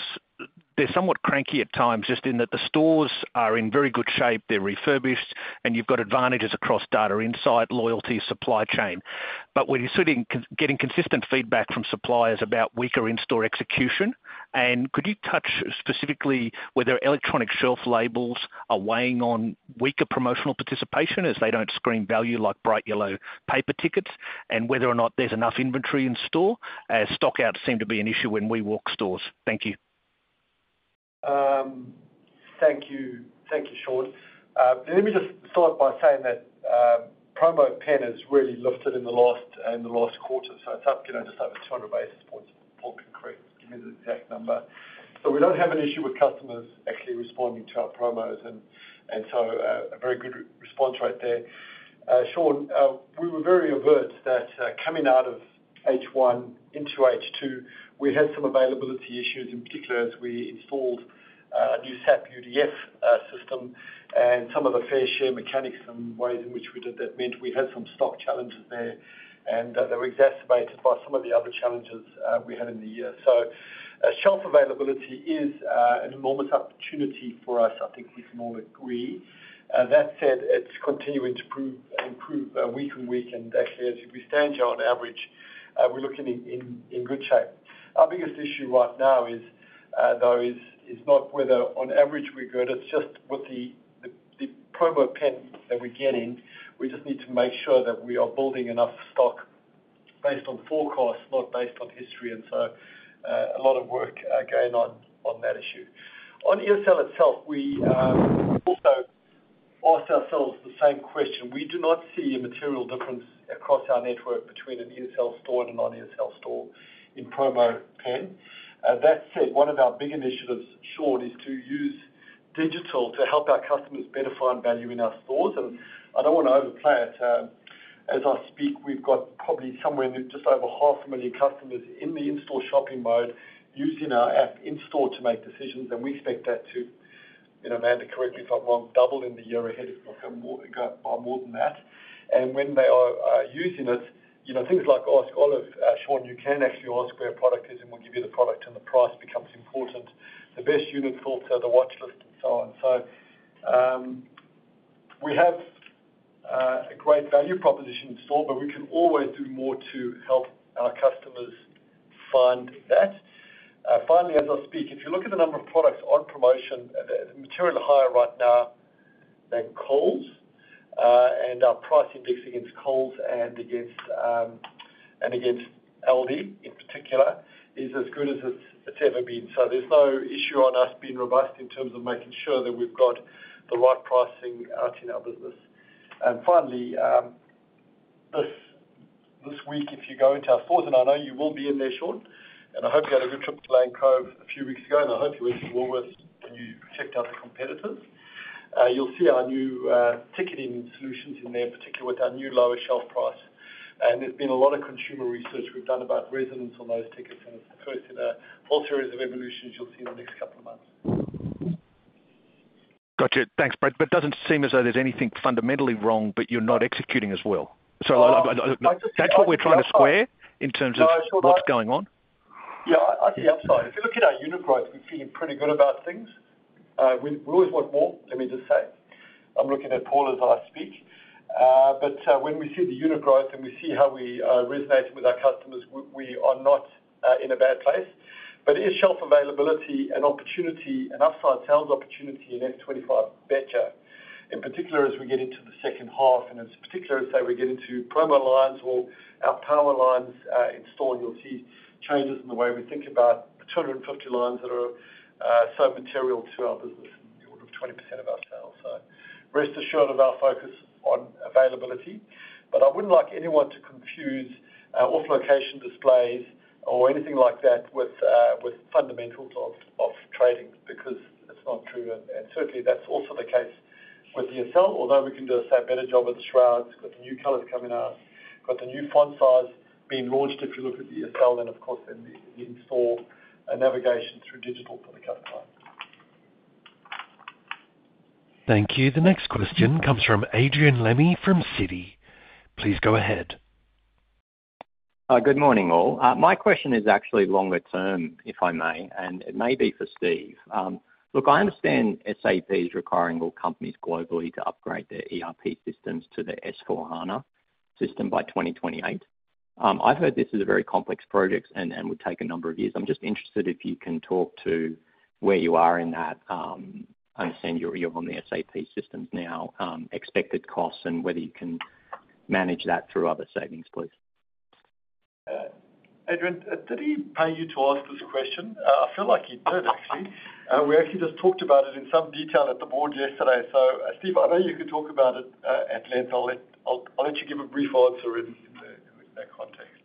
they're somewhat cranky at times, just in that the stores are in very good shape, they're refurbished, and you've got advantages across data insight, loyalty, supply chain. But we're sort of getting consistent feedback from suppliers about weaker in-store execution. Could you touch specifically whether electronic shelf labels are weighing on weaker promotional participation, as they don't screen value like bright yellow paper tickets, and whether or not there's enough inventory in store, as stockouts seem to be an issue when we walk stores? Thank you. Thank you. Thank you, Shaun. Let me just start by saying that, promo spend is really lifted in the last quarter, so it's up, you know, just over 200 basis points. Paul can correct, give me the exact number. So we don't have an issue with customers actually responding to our promos and, so, a very good response right there. Shaun, we were very overt that, coming out of H1 into H2, we had some availability issues, in particular, as we installed a new SAP UDF system and some of the fair share mechanics and ways in which we did that meant we had some stock challenges there, and they were exacerbated by some of the other challenges, we had in the year. Shelf availability is an enormous opportunity for us, I think we can all agree. That said, it's continuing to improve week on week and actually, as we stand here on average, we're looking in good shape. Our biggest issue right now is, though, not whether on average we're good, it's just with the promo pen that we're getting, we just need to make sure that we are building enough stock based on forecast, not based on history, and so a lot of work going on that issue. On ESL itself, we also asked ourselves the same question. We do not see a material difference across our network between an ESL store and a non-ESL store in promo pen. That said, one of our big initiatives, Shaun, is to use digital to help our customers better find value in our stores. I don't want to overplay it. As I speak, we've got probably somewhere in just over 500,000 customers in the in-store shopping mode using our app in-store to make decisions, and we expect that to, and Amanda, correct me if I'm wrong, double in the year ahead, if not go by more than that. And when they are using it, you know, things like Ask Olive, Shaun, you can actually ask where a product is, and we'll give you the product, and the price becomes important. The best unit filter, the watchlist, and so on. So, we have a great value proposition in store, but we can always do more to help our customers find that. Finally, as I speak, if you look at the number of products on promotion, they're materially higher right now than Coles. And our pricing index against Coles and against Aldi, in particular, is as good as it's ever been. So there's no issue on us being robust in terms of making sure that we've got the right pricing out in our business. And finally, this week, if you go into our stores, and I know you will be in there, Shaun, and I hope you had a good trip to Lane Cove a few weeks ago, and I hope you went to Woolworths, and you checked out the competitors. You'll see our new ticketing solutions in there, particularly with our new lower shelf price. There's been a lot of consumer research we've done about resonance on those tickets, and it's the first in a whole series of evolutions you'll see in the next couple of months. Got you. Thanks, Brad. But it doesn't seem as though there's anything fundamentally wrong, but you're not executing as well. So I... I just- That's what we're trying to square in terms of- No, Shaun, I- What's going on? Yeah, I see the upside. If you look at our unit growth, we're feeling pretty good about things. We always want more, let me just say. I'm looking at Paul as I speak. But when we see the unit growth and we see how we resonate with our customers, we are not in a bad place. But is shelf availability an opportunity, an upside sales opportunity in FY 2025? Better. In particular, as we get into the second half, and in particular, as I say, we get into promo lines or our power lines in store, you'll see changes in the way we think about the 250 lines that are so material to our business, of 20% of our sales. So rest assured of our focus on availability. But I wouldn't like anyone to confuse off-location displays or anything like that with fundamentals of trading, because it's not true, and certainly that's also the case with the ESL, although we can do the same better job with the shrouds, got the new colors coming out, got the new font size being launched if you look at the ESL, and of course, then the in-store navigation through digital for the customer. Thank you. The next question comes from Adrian Lemme from Citi. Please go ahead. Good morning, all. My question is actually longer term, if I may, and it may be for Steve. Look, I understand SAP is requiring all companies globally to upgrade their ERP systems to the S/4HANA system by 2028. I've heard this is a very complex project and would take a number of years. I'm just interested if you can talk to where you are in that. I understand you're on the SAP systems now, expected costs and whether you can manage that through other savings, please. Adrian, did he pay you to ask this question? I feel like he did, actually. We actually just talked about it in some detail at the board yesterday, so Steve, I know you can talk about it at length. I'll let you give a brief answer in that context.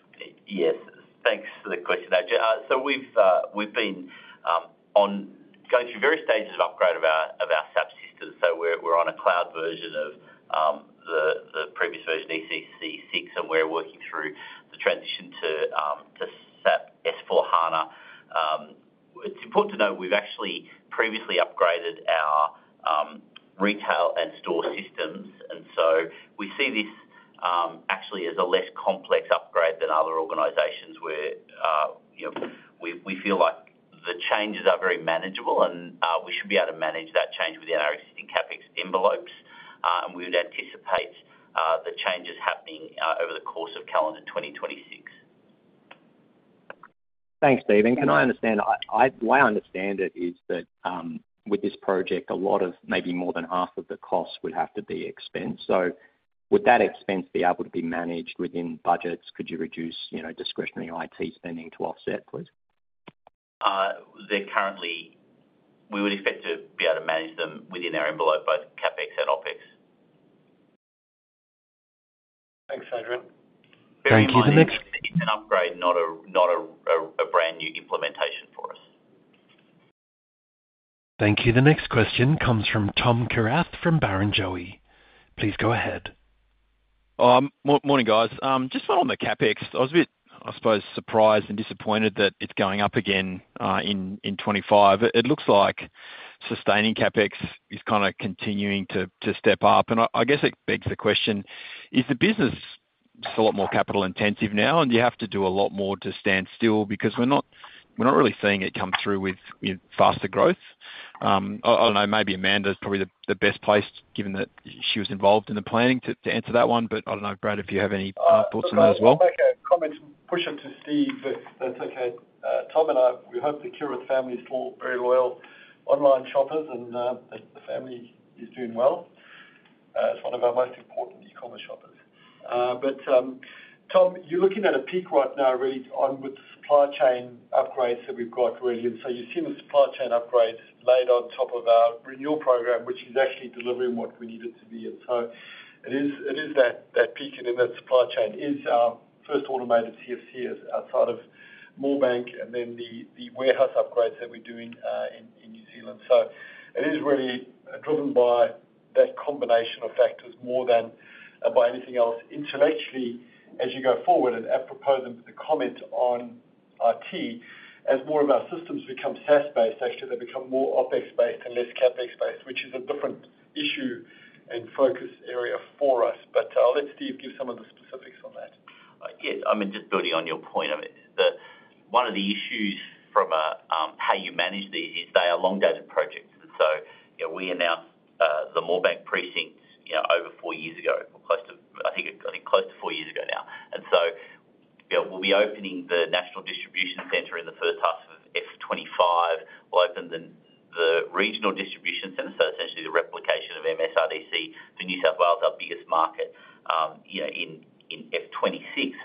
Yes. Thanks for the question, Adrian. So we've been going through various stages of upgrade of our SAP systems. So we're on a cloud version of the previous version, ECC 6, and we're working through the transition to SAP S/4HANA. It's important to note, we've actually previously upgraded our retail and store systems, and so we see this actually as a less complex upgrade than other organizations where you know, we feel like the changes are very manageable and we should be able to manage that change within our existing CapEx envelopes. And we would anticipate the changes happening over the course of calendar 2026. Thanks, Steve. And can I understand, the way I understand it is that, with this project, a lot of, maybe more than half of the costs would have to be expensed. So would that expense be able to be managed within budgets? Could you reduce, you know, discretionary IT spending to offset, please? We would expect to be able to manage them within our envelope, both CapEx and OpEx. Thanks, Adrian. Thank you. The next- It's an upgrade, not a brand new implementation for us. Thank you. The next question comes from Tom Kierath, from Barrenjoey. Please go ahead. Morning, guys. Just one on the CapEx. I was a bit, I suppose, surprised and disappointed that it's going up again in 2025. It looks like sustaining CapEx is kind of continuing to step up, and I guess it begs the question: Is the business just a lot more capital intensive now, and do you have to do a lot more to stand still? Because we're not really seeing it come through with faster growth. I don't know, maybe Amanda's probably the best placed, given that she was involved in the planning, to answer that one. But I don't know, Brad, if you have any thoughts on that as well. I'll make a comment and push them to Steve, if that's okay. Tom and I, we hope the Kierath family is all very loyal online shoppers, and the family is doing well. It's one of our most important e-commerce shoppers. But Tom, you're looking at a peak right now, really on with the supply chain upgrades that we've got really. And so you've seen the supply chain upgrades laid on top of our renewal program, which is actually delivering what we need it to be. And so it is that peak, and in that supply chain is our first automated CFC outside of Moorebank, and then the warehouse upgrades that we're doing in New Zealand. So it is really driven by that combination of factors more than by anything else. Intellectually, as you go forward, and apropos with the comment on IT, as more of our systems become SaaS-based, actually, they become more OpEx-based and less CapEx-based, which is a different issue and focus area for us. But, I'll let Steve give some of the specifics on that. Yes, I mean, just building on your point of it, one of the issues from a how you manage these is they are long-dated projects. And so, you know, we announced the Moorebank Precinct, you know, over four years ago, or close to, I think close to four years ago now. And so, you know, we'll be opening the national distribution center in the first half of F 2025. We'll open the regional distribution center, so essentially the replication of MSRDC, the New South Wales, our biggest market, you know, in F 2026.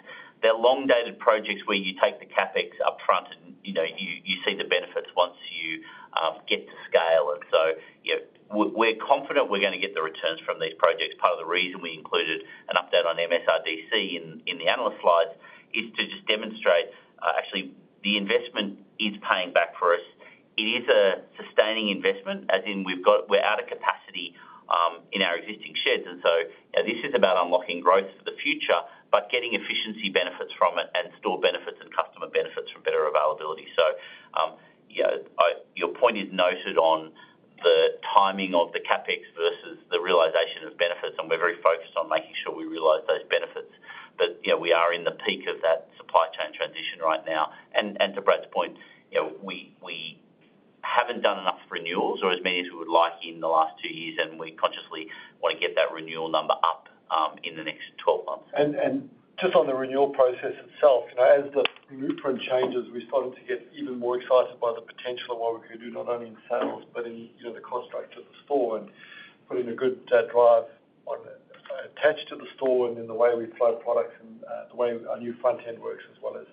They're long-dated projects where you take the CapEx up front, and, you know, you see the benefits once you get to scale. And so, you know, we're confident we're gonna get the returns from these projects. Part of the reason we included an update on MSRDC in the analyst slides is to just demonstrate, actually, the investment is paying back for us. It is a sustaining investment, as in we're out of capacity in our existing sheds. And so this is about unlocking growth for the future, but getting efficiency benefits from it and store benefits and customer benefits from better availability. So, you know, Your point is noted on the timing of the CapEx versus the realization of benefits, and we're very focused on making sure we realize those benefits. But, you know, we are in the peak of that supply chain transition right now. And to Brad's point, you know, we haven't done enough renewals or as many as we would like in the last two years, and we consciously want to get that renewal number up in the next 12 months. Just on the renewal process itself, you know, as the blueprint changes, we're starting to get even more excited by the potential of what we can do, not only in sales, but in, you know, the construct of the store and putting a good drive on it, attached to the store and in the way we flow products and the way our new front end works, as well as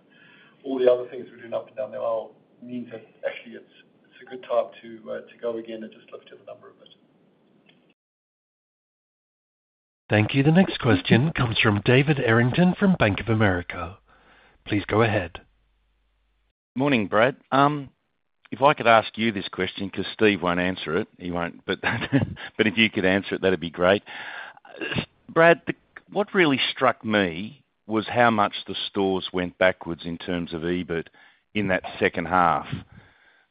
all the other things we're doing up and down there. I mean that actually it's a good time to go again and just lift the number of it. Thank you. The next question comes from David Errington from Bank of America. Please go ahead. Morning, Brad. If I could ask you this question, 'cause Steve won't answer it. He won't, but if you could answer it, that'd be great. Brad, the what really struck me was how much the stores went backwards in terms of EBIT in that second half.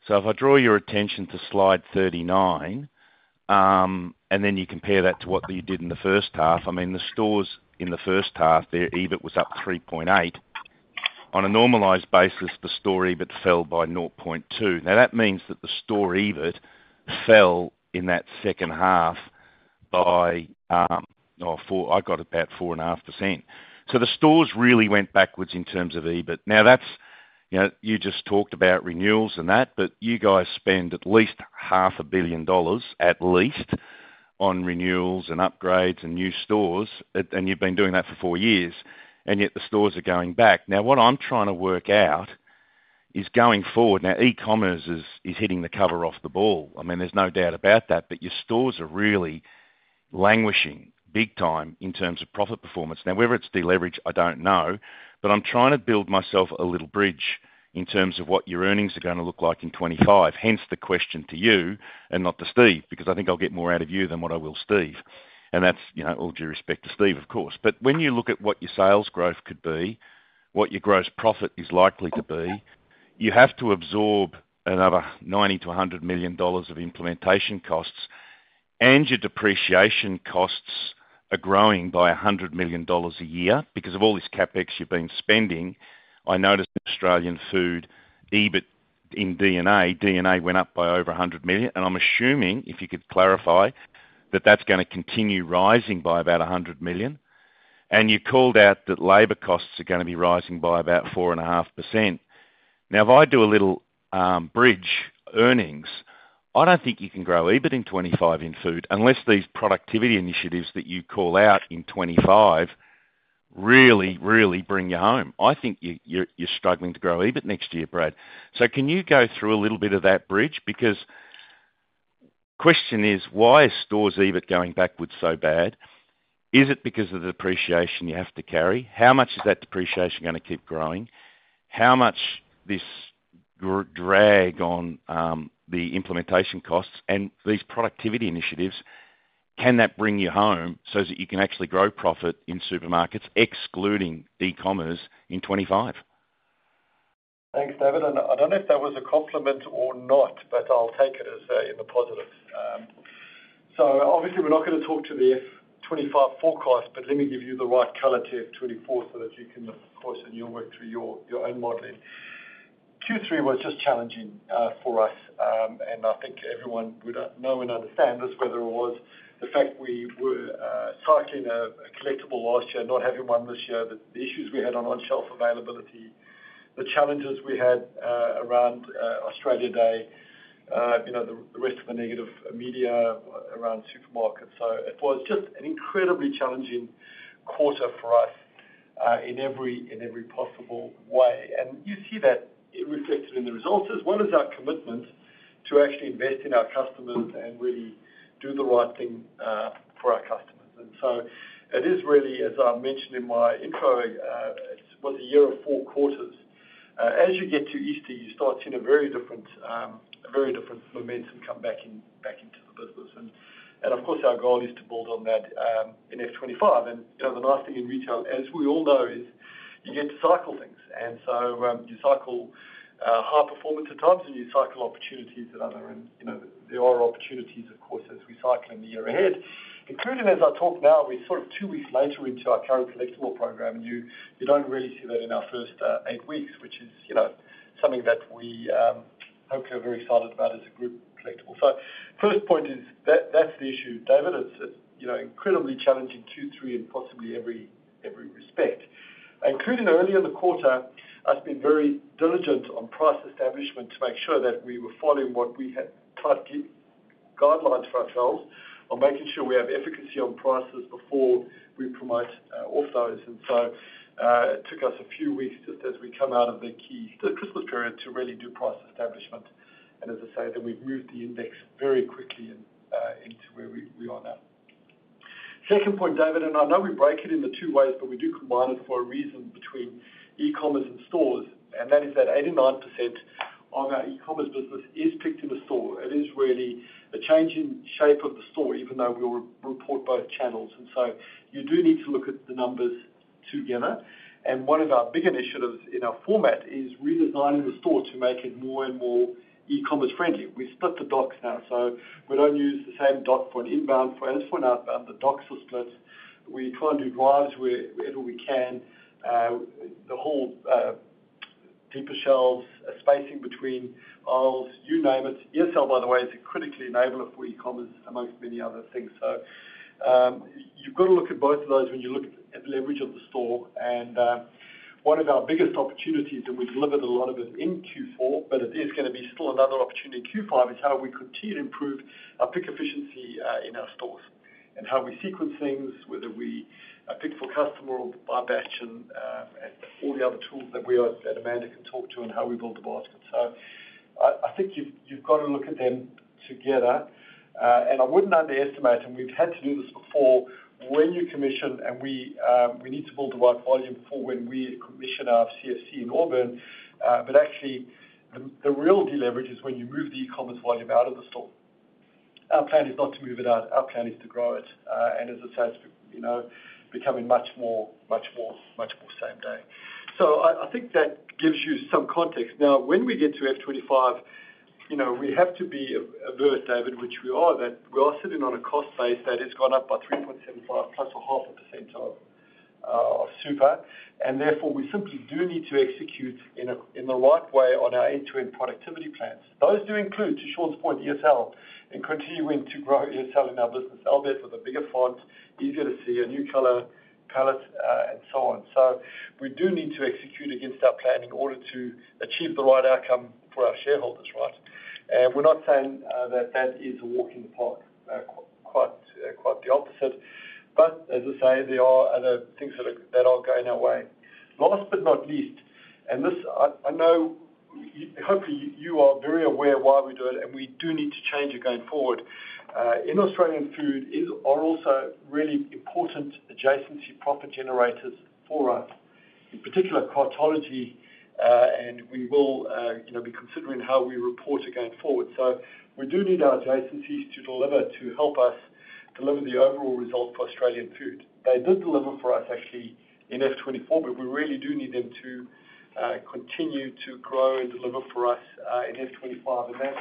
So if I draw your attention to slide 39, and then you compare that to what you did in the first half, I mean, the stores in the first half, their EBIT was up 3.8. On a normalized basis, the store EBIT fell by 0.2. Now, that means that the store EBIT fell in that second half by 4.5%. So the stores really went backwards in terms of EBIT. Now, that's, you know, you just talked about renewals and that, but you guys spend at least $500 million, and you've been doing that for four years, and yet the stores are going back. Now, what I'm trying to work out is going forward, now, e-commerce is hitting the cover off the ball. I mean, there's no doubt about that, but your stores are really languishing big time in terms of profit performance. Now, whether it's deleverage, I don't know, but I'm trying to build myself a little bridge in terms of what your earnings are gonna look like in 2025. Hence, the question to you and not to Steve, because I think I'll get more out of you than what I will from Steve, and that's, you know, all due respect to Steve, of course. But when you look at what your sales growth could be, what your gross profit is likely to be, you have to absorb another $90 million-$100 million of implementation costs, and your depreciation costs are growing by $100 million a year because of all this CapEx you've been spending. I noticed Australian Food EBIT in FY 2024, FY 2024 went up by over $100 million, and I'm assuming, if you could clarify, that that's gonna continue rising by about $100 million. And you called out that labor costs are gonna be rising by about 4.5%. Now, if I do a little bridge earnings, I don't think you can grow EBIT in 2025 in food, unless these productivity initiatives that you call out in 2025 really, really bring you home. I think you're struggling to grow EBIT next year, Brad. So can you go through a little bit of that bridge? Because the question is: Why is stores' EBIT going backwards so bad? Is it because of the depreciation you have to carry? How much is that depreciation gonna keep growing? How much this drag on the implementation costs and these productivity initiatives can that bring you home so that you can actually grow profit in supermarkets, excluding e-commerce, in 2025? Thanks, David. And I don't know if that was a compliment or not, but I'll take it as a, in the positive. So obviously, we're not gonna talk to the F 2025 forecast, but let me give you the right color to F 2024 so that you can, of course, in your work through your own modeling. Q3 was just challenging for us, and I think everyone would know and understand this, whether it was the fact we were cycling a collectible last year, not having one this year, the issues we had on shelf availability... the challenges we had around Australia Day, you know, the risk of a negative media around supermarkets. So it was just an incredibly challenging quarter for us in every possible way. And you see that it reflected in the results, as well as our commitment to actually invest in our customers and really do the right thing, for our customers. And so it is really, as I mentioned in my intro, it was a year of four quarters. As you get to Easter, you start seeing a very different momentum come back into the business. And of course, our goal is to build on that, in F 2025. And, you know, the nice thing in retail, as we all know, is you get to cycle things, and so, you cycle high performance at times, and you cycle opportunities at other. And, you know, there are opportunities, of course, as we cycle in the year ahead. Including, as I talk now, we're sort of two weeks later into our current collectible program, and you don't really see that in our first eight weeks, which is, you know, something that we hopefully are very excited about as a group collectible. So first point is that, that's the issue, David. It's, you know, incredibly challenging Q3 in possibly every respect. Including earlier in the quarter, us being very diligent on price establishment to make sure that we were following what we had tight guidelines for ourselves on making sure we have efficacy on prices before we promote off those. And so, it took us a few weeks just as we come out of the key Christmas period, to really do price establishment. And as I say, then we've moved the index very quickly and into where we are now. Second point, David, and I know we break it into two ways, but we do combine it for a reason between e-commerce and stores, and that is that 89% of our e-commerce business is picked in the store. It is really a change in shape of the store, even though we report both channels. And so you do need to look at the numbers together. And one of our big initiatives in our format is redesigning the store to make it more and more e-commerce friendly. We've split the docks now, so we don't use the same dock for an inbound as for an outbound. The docks are split. We try and do drives wherever we can. The whole, deeper shelves, spacing between aisles, you name it. ESL, by the way, is a critical enabler for e-commerce, among many other things. So, you've got to look at both of those when you look at the leverage of the store. And one of our biggest opportunities, and we delivered a lot of it in Q4, but it is gonna be still another opportunity in Q5, is how we continue to improve our pick efficiency in our stores. And how we sequence things, whether we pick for customer or by batch and all the other tools that we are. That Amanda can talk to on how we build the basket. So I think you've got to look at them together. And I wouldn't underestimate them. We've had to do this before. When you commission, and we need to build the right volume for when we commission our CFC in Auburn. But actually, the real deleverage is when you move the e-commerce volume out of the store. Our plan is not to move it out. Our plan is to grow it, and as I said, you know, becoming much more same day. So I think that gives you some context. Now, when we get to FY 2025, you know, we have to be aware, David, which we are, that we are sitting on a cost base that has gone up by 3.75%, +0.5% of super. And therefore, we simply do need to execute in the right way on our end-to-end productivity plans. Those do include, to Shaun's point, ESL and continuing to grow ESL in our business, albeit with a bigger font, easier to see, a new color palette, and so on. So we do need to execute against our plan in order to achieve the right outcome for our shareholders, right? And we're not saying that that is a walk in the park. Quite the opposite. But as I say, there are other things that are going our way. Last but not least, and this I know. Hopefully, you are very aware of why we do it, and we do need to change it going forward. In Australian Food are also really important adjacency profit generators for us, in particular Cartology, and we will, you know, be considering how we report it going forward. So we do need our adjacencies to deliver, to help us deliver the overall result for Australian Food. They did deliver for us actually in F 2024, but we really do need them to continue to grow and deliver for us in F 2025, and that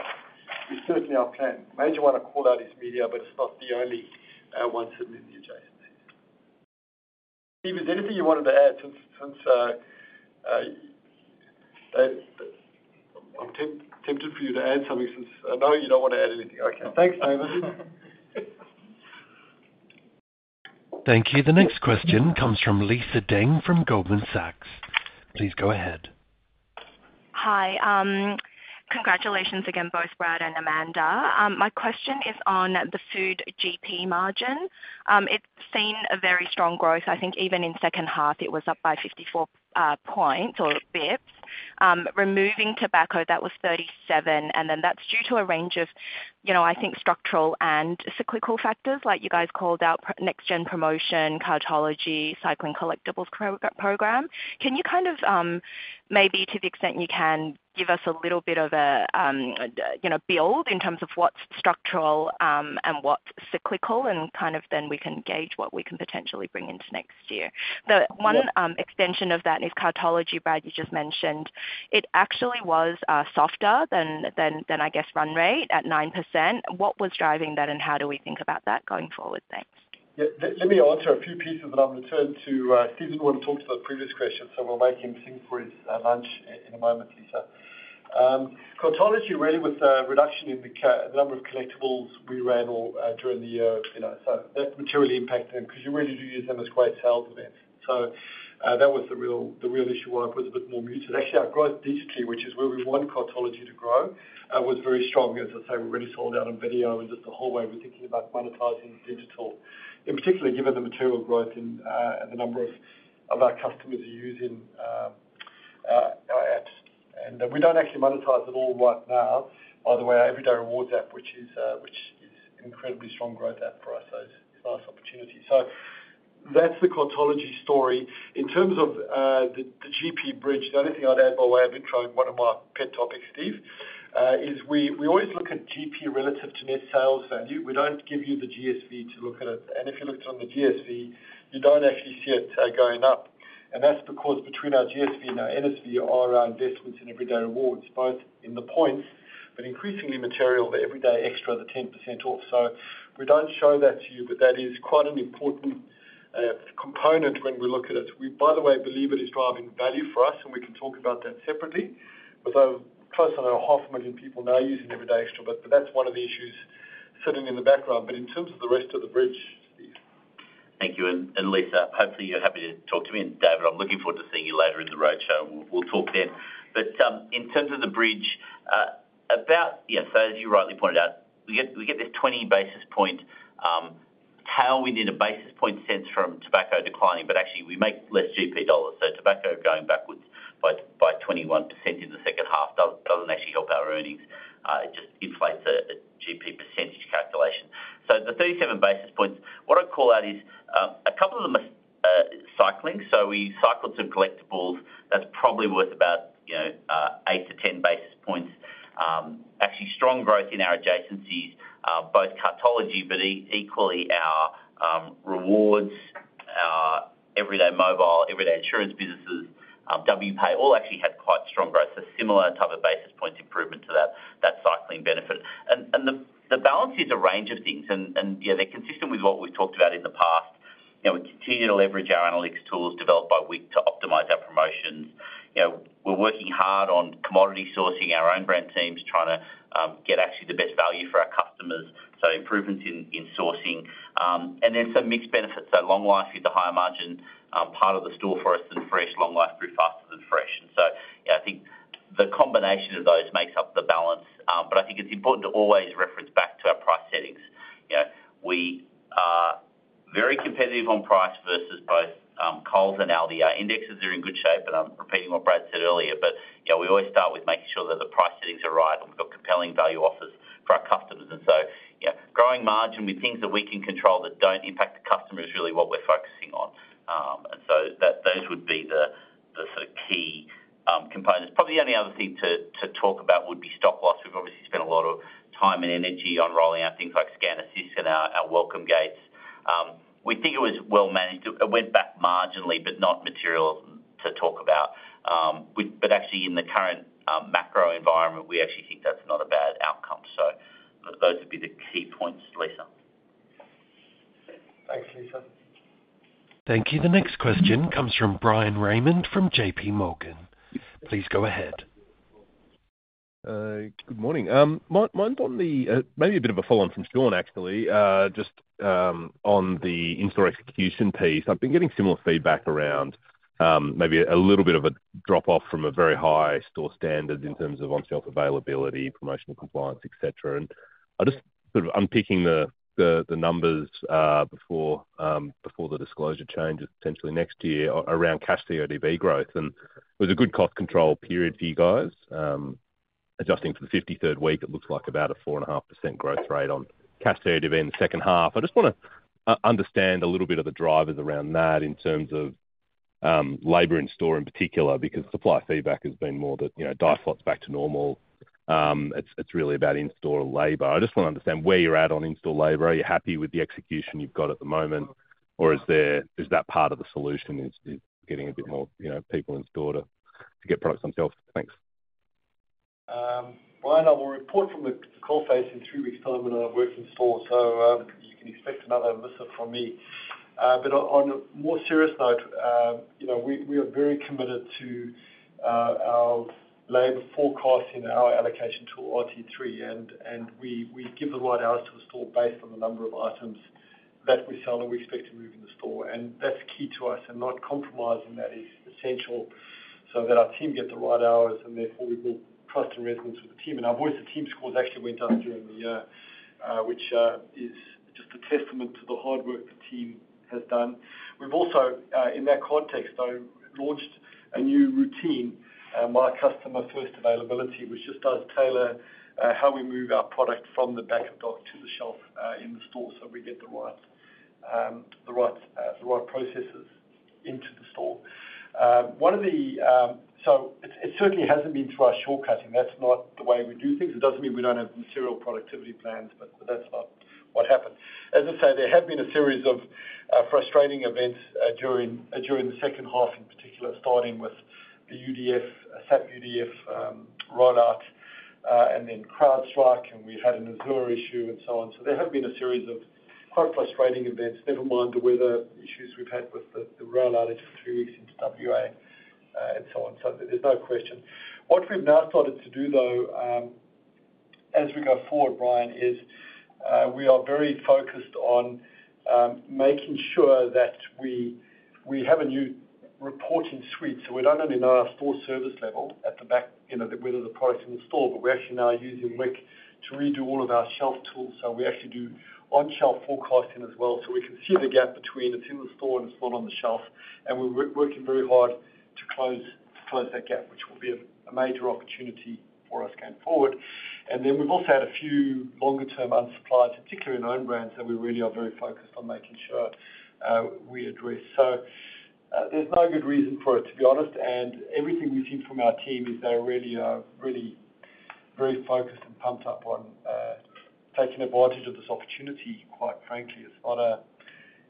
is certainly our plan. Major one I call out is media, but it's not the only one sitting in the adjacencies. Steve, is there anything you wanted to add since I'm tempted for you to add something, since I know you don't want to add anything. Okay. Thanks, David. Thank you. The next question comes from Lisa Deng, from Goldman Sachs. Please go ahead. Hi. Congratulations again, both Brad and Amanda. My question is on the food GP margin. It's seen a very strong growth. I think even in second half, it was up by 54 points or basis points. Removing tobacco, that was 37, and then that's due to a range of, you know, I think, structural and cyclical factors, like you guys called out next-gen promotion, Cartology, cycling collectibles program. Can you kind of, maybe to the extent you can, give us a little bit of a, you know, build in terms of what's structural, and what's cyclical, and kind of then we can gauge what we can potentially bring into next year? The one extension of that is Cartology, Brad, you just mentioned. It actually was softer than, I guess, run rate at 9%. What was driving that, and how do we think about that going forward? Thanks. Yeah. Let me answer a few pieces, and I'll return to Stephen, who want to talk to the previous question, so we'll make him sit for his lunch in a moment, Lisa. Cartology really was a reduction in the number of collectibles we ran all during the year, you know, so that materially impacted them because you really do use them as great sales events. So that was the real issue why it was a bit more muted. Actually, our growth digitally, which is where we want Cartology to grow, was very strong. As I say, we're really sold out on video, and just the whole way we're thinking about monetizing digital, in particular, given the material growth in the number of our customers are using our apps. We don't actually monetize it all right now. By the way, our Everyday Rewards app, which is incredibly strong growth app for us, so it's a nice opportunity. That's the Cartology story. In terms of the GP bridge, the only thing I'd add, by way of intro, one of my pet topics, Steve, is we always look at GP relative to net sales value. We don't give you the GSV to look at it. If you looked on the GSV, you don't actually see it going up, and that's because between our GSV and our NSV are our investments in Everyday Rewards, both in the points, but increasingly material, the Everyday Extra, the 10% off. We don't show that to you, but that is quite an important component when we look at it. We, by the way, believe it is driving value for us, and we can talk about that separately. But close to 500,000 people now using Everyday Extra, but that's one of the issues sitting in the background. But in terms of the rest of the bridge, Steve. Thank you, and Lisa, hopefully you're happy to talk to me. And David, I'm looking forward to seeing you later in the roadshow. We'll talk then. But in terms of the bridge, you know, so as you rightly pointed out, we get this 20 basis point tail. We see a basis points sense from tobacco declining, but actually we make less GP dollars. So tobacco going backwards by 21% in the second half doesn't actually help our earnings. It just inflates the GP percentage calculation. So the 37 basis points, what I'd call out is a couple of them are cycling. So we cycle some collectibles that's probably worth about, you know, 8-10 basis points. Actually, strong growth in our adjacencies, both Cartology, but equally, our rewards, Everyday Mobile, Everyday Insurance businesses, WPay, all actually had quite strong growth. So similar type of basis points improvement to that cycling benefit. And the balance is a range of things, and you know, they're consistent with what we've talked about in the past. You know, we continue to leverage our analytics tools developed by Wiq to optimize our promotions. You know, we're working hard on commodity sourcing, our own brand teams, trying to get actually the best value for our customers, so improvements in sourcing, and then some mixed benefits. So long life is the higher margin part of the store for us than fresh, long life grew faster than fresh. I think the combination of those makes up the balance, but I think it's important to always reference back to our price settings. You know, we are very competitive on price versus both Coles and Aldi. Our indexes are in good shape, and I'm repeating what Brad said earlier, but, you know, we always start with making sure that the price settings are right, and we've got compelling value offers for our customers. Growing margin with things that we can control that don't impact the customer is really what we're focusing on. Those would be the sort of key components. Probably the only other thing to talk about would be stock loss. We've obviously spent a lot of time and energy on rolling out things like Scan Assist and our welcome gates. We think it was well managed. It went back marginally, but not material to talk about. But actually, in the current macro environment, we actually think that's not a bad outcome. So those would be the key points, Lisa. Thanks, Lisa. Thank you. The next question comes from Bryan Raymond, from J.P. Morgan. Please go ahead. Good morning. Mine's on the maybe a bit of a follow-on from Shaun, actually. Just on the in-store execution piece, I've been getting similar feedback around maybe a little bit of a drop-off from a very high store standard in terms of on-shelf availability, promotional compliance, et cetera. And I just sort of unpicking the numbers before the disclosure changes potentially next year around cash CODB growth. And it was a good cost control period for you guys. Adjusting for the 53rd week, it looks like about a 4.5% growth rate on cash CODB in the second half. I just wanna understand a little bit of the drivers around that in terms of labor in store in particular, because supplier feedback has been more that, you know, aisles back to normal. It's really about in-store labor. I just want to understand where you're at on in-store labor. Are you happy with the execution you've got at the moment, or is there... Is that part of the solution, is getting a bit more, you know, people in store to get products on shelves? Thanks. Brad, I will report from the coal face in three weeks' time when I work in store, so you can expect another visit from me. But on a more serious note, you know, we are very committed to our labor forecast in our allocation tool, RT3, and we give the right hours to the store based on the number of items that we sell and we expect to move in the store. That's key to us, and not compromising that is essential so that our team gets the right hours, and therefore we build trust and resonance with the team. Our Voice of the Team scores actually went up during the year, which is just a testament to the hard work the team has done. We've also, in that context, though, launched a new routine, high Customer First Availability, which just does tailor how we move our product from the back of house to the shelf, in the store, so we get the right processes into the store. So it certainly hasn't been through our shortcutting. That's not the way we do things. It doesn't mean we don't have material productivity plans, but that's not what happened. As I said, there have been a series of frustrating events during the second half in particular, starting with the UDF, SAP UDF rollout, and then CrowdStrike, and we had an Azure issue and so on. So there have been a series of quite frustrating events, never mind the weather issues we've had with the rail outage for two weeks into WA, and so on. So there's no question. What we've now started to do, though, as we go forward, Brian, is we are very focused on making sure that we have a new reporting suite, so we not only know our store service level at the back, you know, whether the product's in the store, but we're actually now using WiQ to redo all of our shelf tools. So we actually do on-shelf forecasting as well. So we can see the gap between it's in the store and it's not on the shelf, and we're working very hard to close that gap, which will be a major opportunity for us going forward. And then we've also had a few longer term unsupplied, particularly in own brands, that we really are very focused on making sure we address. So, there's no good reason for it, to be honest, and everything we've seen from our team is they really are really very focused and pumped up on taking advantage of this opportunity. Quite frankly, it's not a,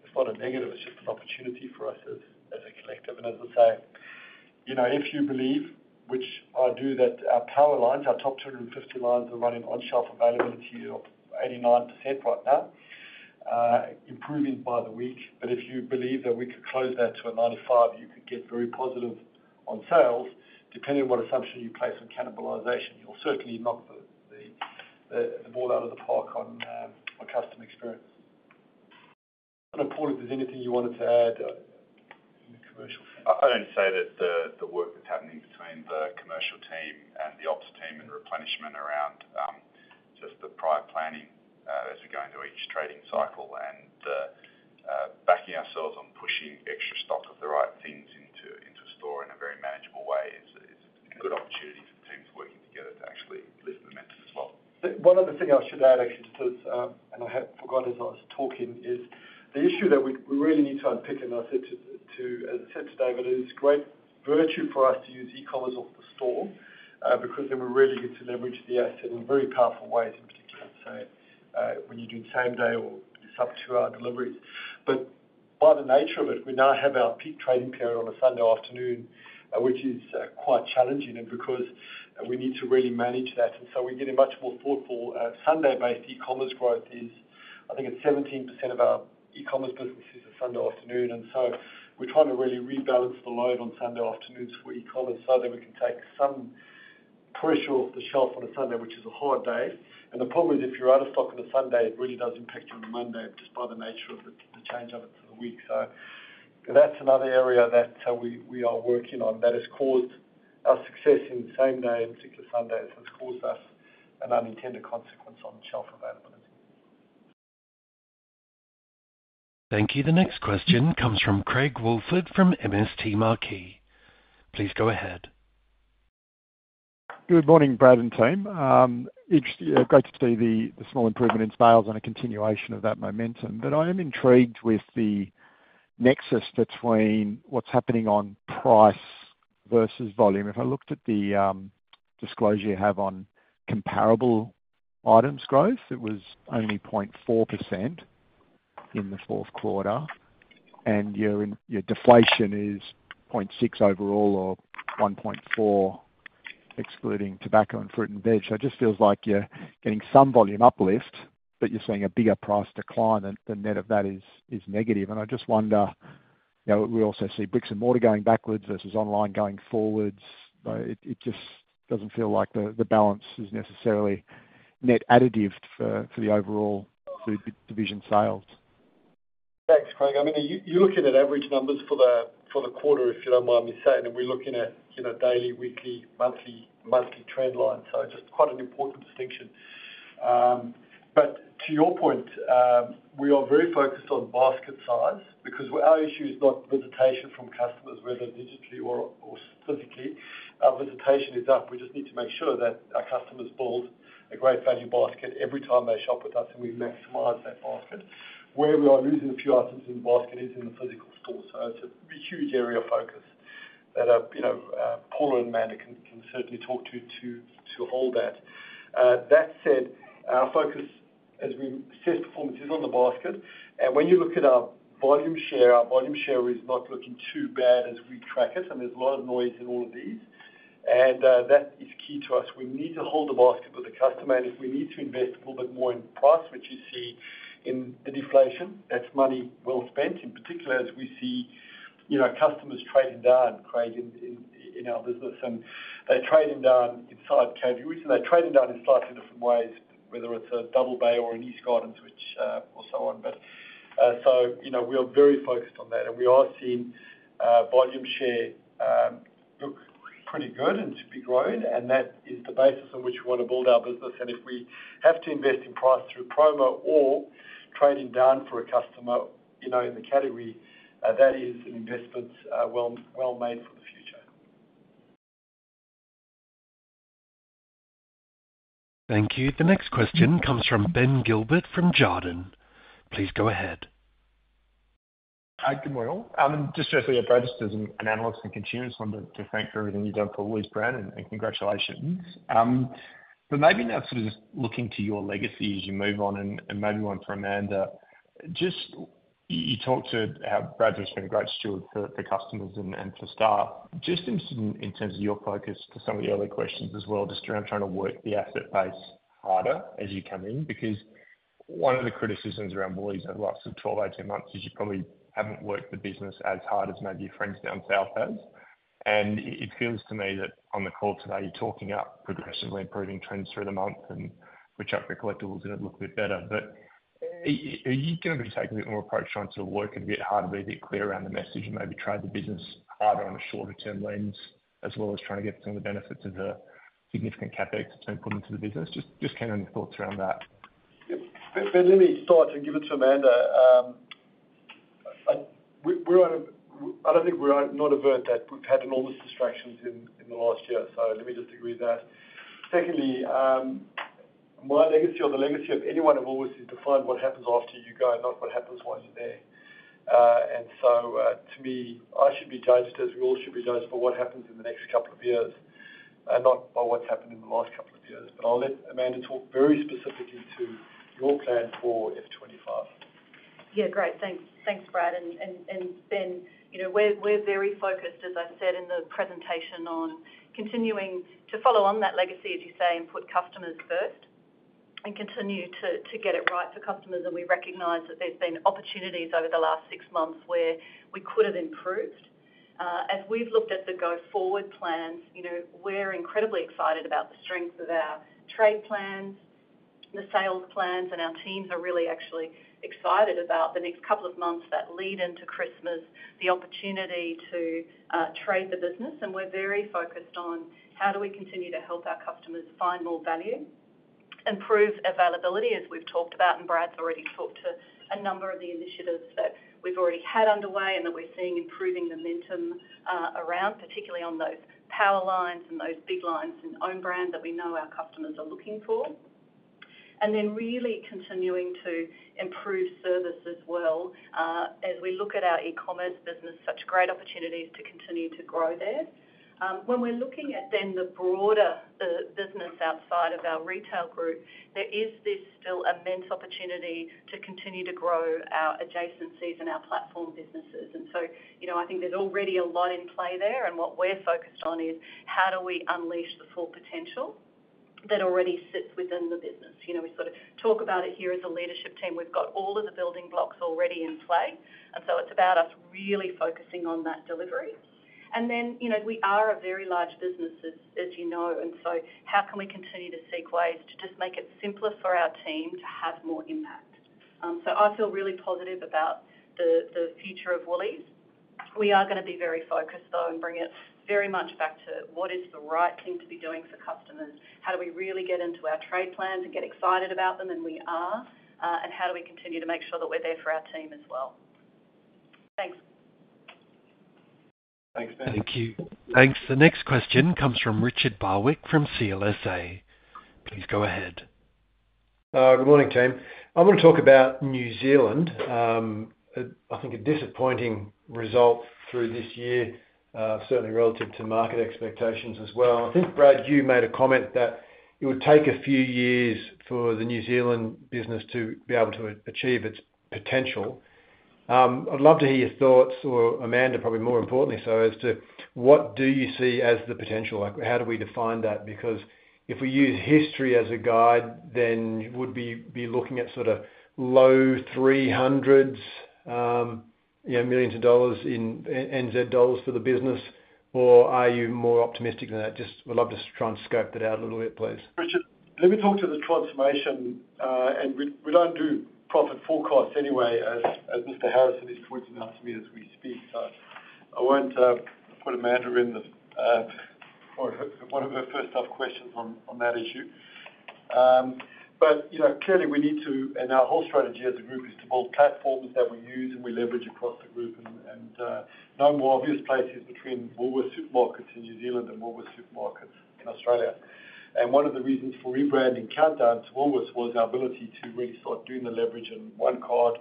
it's not a negative, it's just an opportunity for us as, as a collective. And as I say, you know, if you believe, which I do, that our power lines, our top 250 lines are running on-shelf availability of 89% right now, improving by the week. But if you believe that we could close that to a 95, you could get very positive on sales, depending on what assumption you place on cannibalization. You'll certainly knock the ball out of the park on customer experience. And Paul, if there's anything you wanted to add in the commercial field? I'd say that the work that's happening between the commercial team and the ops team and replenishment around just the prior planning, as we go into each trading cycle and backing ourselves on pushing extra stock of the right things into store in a very manageable way, is a good opportunity for the teams working together to actually lift the momentum as well. One other thing I should add, actually, just because, and I had forgotten as I was talking, is the issue that we really need to unpick, and as I said to David, it is great virtue for us to use e-commerce off the store, because then we're really get to leverage the asset in very powerful ways, in particular. So, when you're doing same day or sub two-hour delivery. But by the nature of it, we now have our peak trading period on a Sunday afternoon, which is quite challenging and because we need to really manage that, and so we're getting much more thoughtful. Sunday-based e-commerce growth is, I think it's 17% of our e-commerce business is a Sunday afternoon. And so we're trying to really rebalance the load on Sunday afternoons for e-commerce, so that we can take some pressure off the shelf on a Sunday, which is a hard day. And the problem is, if you're out of stock on a Sunday, it really does impact you on a Monday, just by the nature of the change of it to the week. So that's another area that we are working on that has caused our success in same day, in particular Sundays, has caused us an unintended consequence on shelf availability. Thank you. The next question comes from Craig Woolford from MST Marquee. Please go ahead. Good morning, Brad and team. Great to see the small improvement in sales and a continuation of that momentum. But I am intrigued with the nexus between what's happening on price versus volume. If I looked at the disclosure you have on comparable items growth, it was only 0.4% in the fourth quarter, and your deflation is 0.6% overall, or 1.4%, excluding tobacco and fruit and veg. So it just feels like you're getting some volume uplift, but you're seeing a bigger price decline, and the net of that is negative. And I just wonder, you know, we also see bricks and mortar going backwards versus online going forwards. It just doesn't feel like the balance is necessarily net additive for the overall food division sales. Thanks, Craig. I mean, you, you're looking at average numbers for the quarter, if you don't mind me saying, and we're looking at, you know, daily, weekly, monthly trend lines, so it's quite an important distinction, but to your point, we are very focused on basket size because our issue is not visitation from customers, whether digitally or physically. Our visitation is up. We just need to make sure that our customers build a great value basket every time they shop with us, and we maximize that basket. Where we are losing a few items in the basket is in the physical store, so it's a huge area of focus that, you know, Paul and Amanda can certainly talk to hold that. That said, our focus as we assess performance is on the basket. And when you look at our volume share, our volume share is not looking too bad as we track it, and there's a lot of noise in all of these, and that is key to us. We need to hold the basket with the customer, and if we need to invest a little bit more in price, which you see in the deflation, that's money well spent, in particular, as we see, you know, customers trading down, Craig, in our business. And they're trading down inside category, they're trading down in slightly different ways, whether it's a Double Bay or an Eastgardens, which or so on. But so, you know, we are very focused on that, and we are seeing volume share look pretty good and to be growing, and that is the basis on which we want to build our business. If we have to invest in price through promo or trading down for a customer, you know, in the category, that is an investment, well made for the future. Thank you. The next question comes from Ben Gilbert from Jarden. Please go ahead. Good morning, all. Just firstly, investors, analysts, and consumers want to thank you for everything you've done for Woolworths and congratulations. But maybe now sort of just looking to your legacy as you move on and maybe one for Amanda. You talked about how Brad has been a great steward for customers and for staff. Just interested in terms of your focus to some of the earlier questions as well, just around trying to work the asset base harder as you come in, because one of the criticisms around Woolies over the last sort of 12, 18 months is you probably haven't worked the business as hard as maybe your friends down south has. It feels to me that on the call today, you're talking up progressively improving trends through the month, and without the collectibles it looks a bit better. But are you gonna be taking a bit more approach trying to work a bit harder, be a bit clear around the message, and maybe trade the business harder on a shorter term lens, as well as trying to get some of the benefits of the significant CapEx to put into the business? Just keen on your thoughts around that. Yep. Ben, let me start to give it to Amanda. I don't think we're unaware that we've had enormous distractions in the last year, so let me just agree with that. Secondly, my legacy or the legacy of anyone at Woolies is to find what happens after you go, not what happens while you're there, and so to me, I should be judged, as we all should be judged, for what happens in the next couple of years, and not by what's happened in the last couple of years, but I'll let Amanda talk very specifically to your plan for F 2025. Yeah, great. Thanks, thanks, Brad. And Ben, you know, we're very focused, as I said in the presentation, on continuing to follow on that legacy, as you say, and put customers first, and continue to get it right for customers. And we recognize that there's been opportunities over the last six months where we could have improved. As we've looked at the go-forward plans, you know, we're incredibly excited about the strength of our trade plans, the sales plans, and our teams are really actually excited about the next couple of months that lead into Christmas, the opportunity to trade the business. And we're very focused on how do we continue to help our customers find more value, improve availability, as we've talked about, and Brad's already talked to a number of the initiatives that we've already had underway, and that we're seeing improving momentum around, particularly on those power lines and those big lines and own brand that we know our customers are looking for. And then really continuing to improve service as well. As we look at our e-commerce business, such great opportunities to continue to grow there. When we're looking at then the broader business outside of our retail group, there is this still immense opportunity to continue to grow our adjacencies and our platform businesses. And so, you know, I think there's already a lot in play there. And what we're focused on is how do we unleash the full potential that already sits within the business? You know, we sort of talk about it here as a leadership team. We've got all of the building blocks already in play, and so it's about us really focusing on that delivery. And then, you know, we are a very large business, as you know, and so how can we continue to seek ways to just make it simpler for our team to have more impact? So I feel really positive about the future of Woolies. We are gonna be very focused, though, and bring it very much back to what is the right thing to be doing for customers. How do we really get into our trade plans and get excited about them? And we are. How do we continue to make sure that we're there for our team as well? Thanks. Thanks, Ben. Thank you. Thanks. The next question comes from Richard Barwick from CLSA. Please go ahead. Good morning, team. I want to talk about New Zealand. I think a disappointing result through this year, certainly relative to market expectations as well. I think, Brad, you made a comment that it would take a few years for the New Zealand business to be able to achieve its potential. I'd love to hear your thoughts, or Amanda, probably more importantly so, as to what do you see as the potential? Like, how do we define that? Because if we use history as a guide, then would we be looking at sort of low 300s, you know, millions of NZD for the business? Or are you more optimistic than that? Just would love to try and scope that out a little bit, please. Richard, let me talk to the transformation, and we don't do profit forecasts anyway, as Mr. Harrison just pointed out to me as we speak. So I won't put Amanda in the hot seat or one of her first tough questions on that issue. But, you know, clearly, we need to, and our whole strategy as a group is to build platforms that we use and we leverage across the group. And no more obvious places between Woolworths Supermarkets in New Zealand and Woolworths Supermarkets in Australia. And one of the reasons for rebranding Countdown to Woolworths was our ability to really start doing the leverage of one card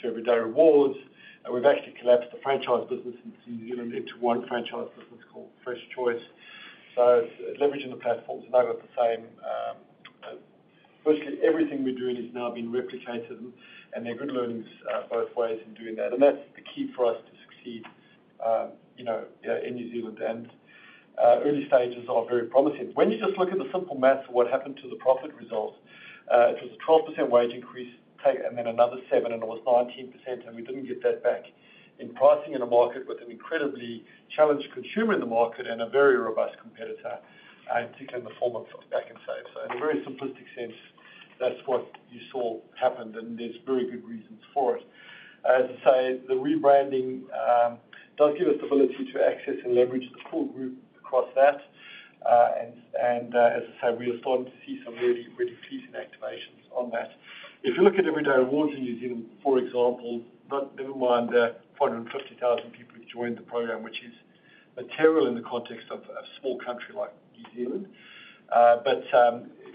to Everyday Rewards. And we've actually collapsed the franchise business in New Zealand into one franchise business called FreshChoice. So leveraging the platforms, now they're the same. Firstly, everything we're doing is now being replicated, and there are good learnings both ways in doing that. And that's the key for us to succeed, you know, in New Zealand. Early stages are very promising. When you just look at the simple math of what happened to the profit results, it was a 12% wage increase take, and then another 7, and it was 19%, and we didn't get that back. In pricing in a market with an incredibly challenged consumer in the market and a very robust competitor, particularly in the form of Pak'nSave. So in a very simplistic sense, that's what you saw happened, and there's very good reasons for it. As I say, the rebranding does give us the ability to access and leverage the full group across that. And as I said, we are starting to see some really, really pleasing activations on that. If you look at Everyday Rewards in New Zealand, for example, but never mind the 450,000 people who joined the program, which is material in the context of a small country like New Zealand.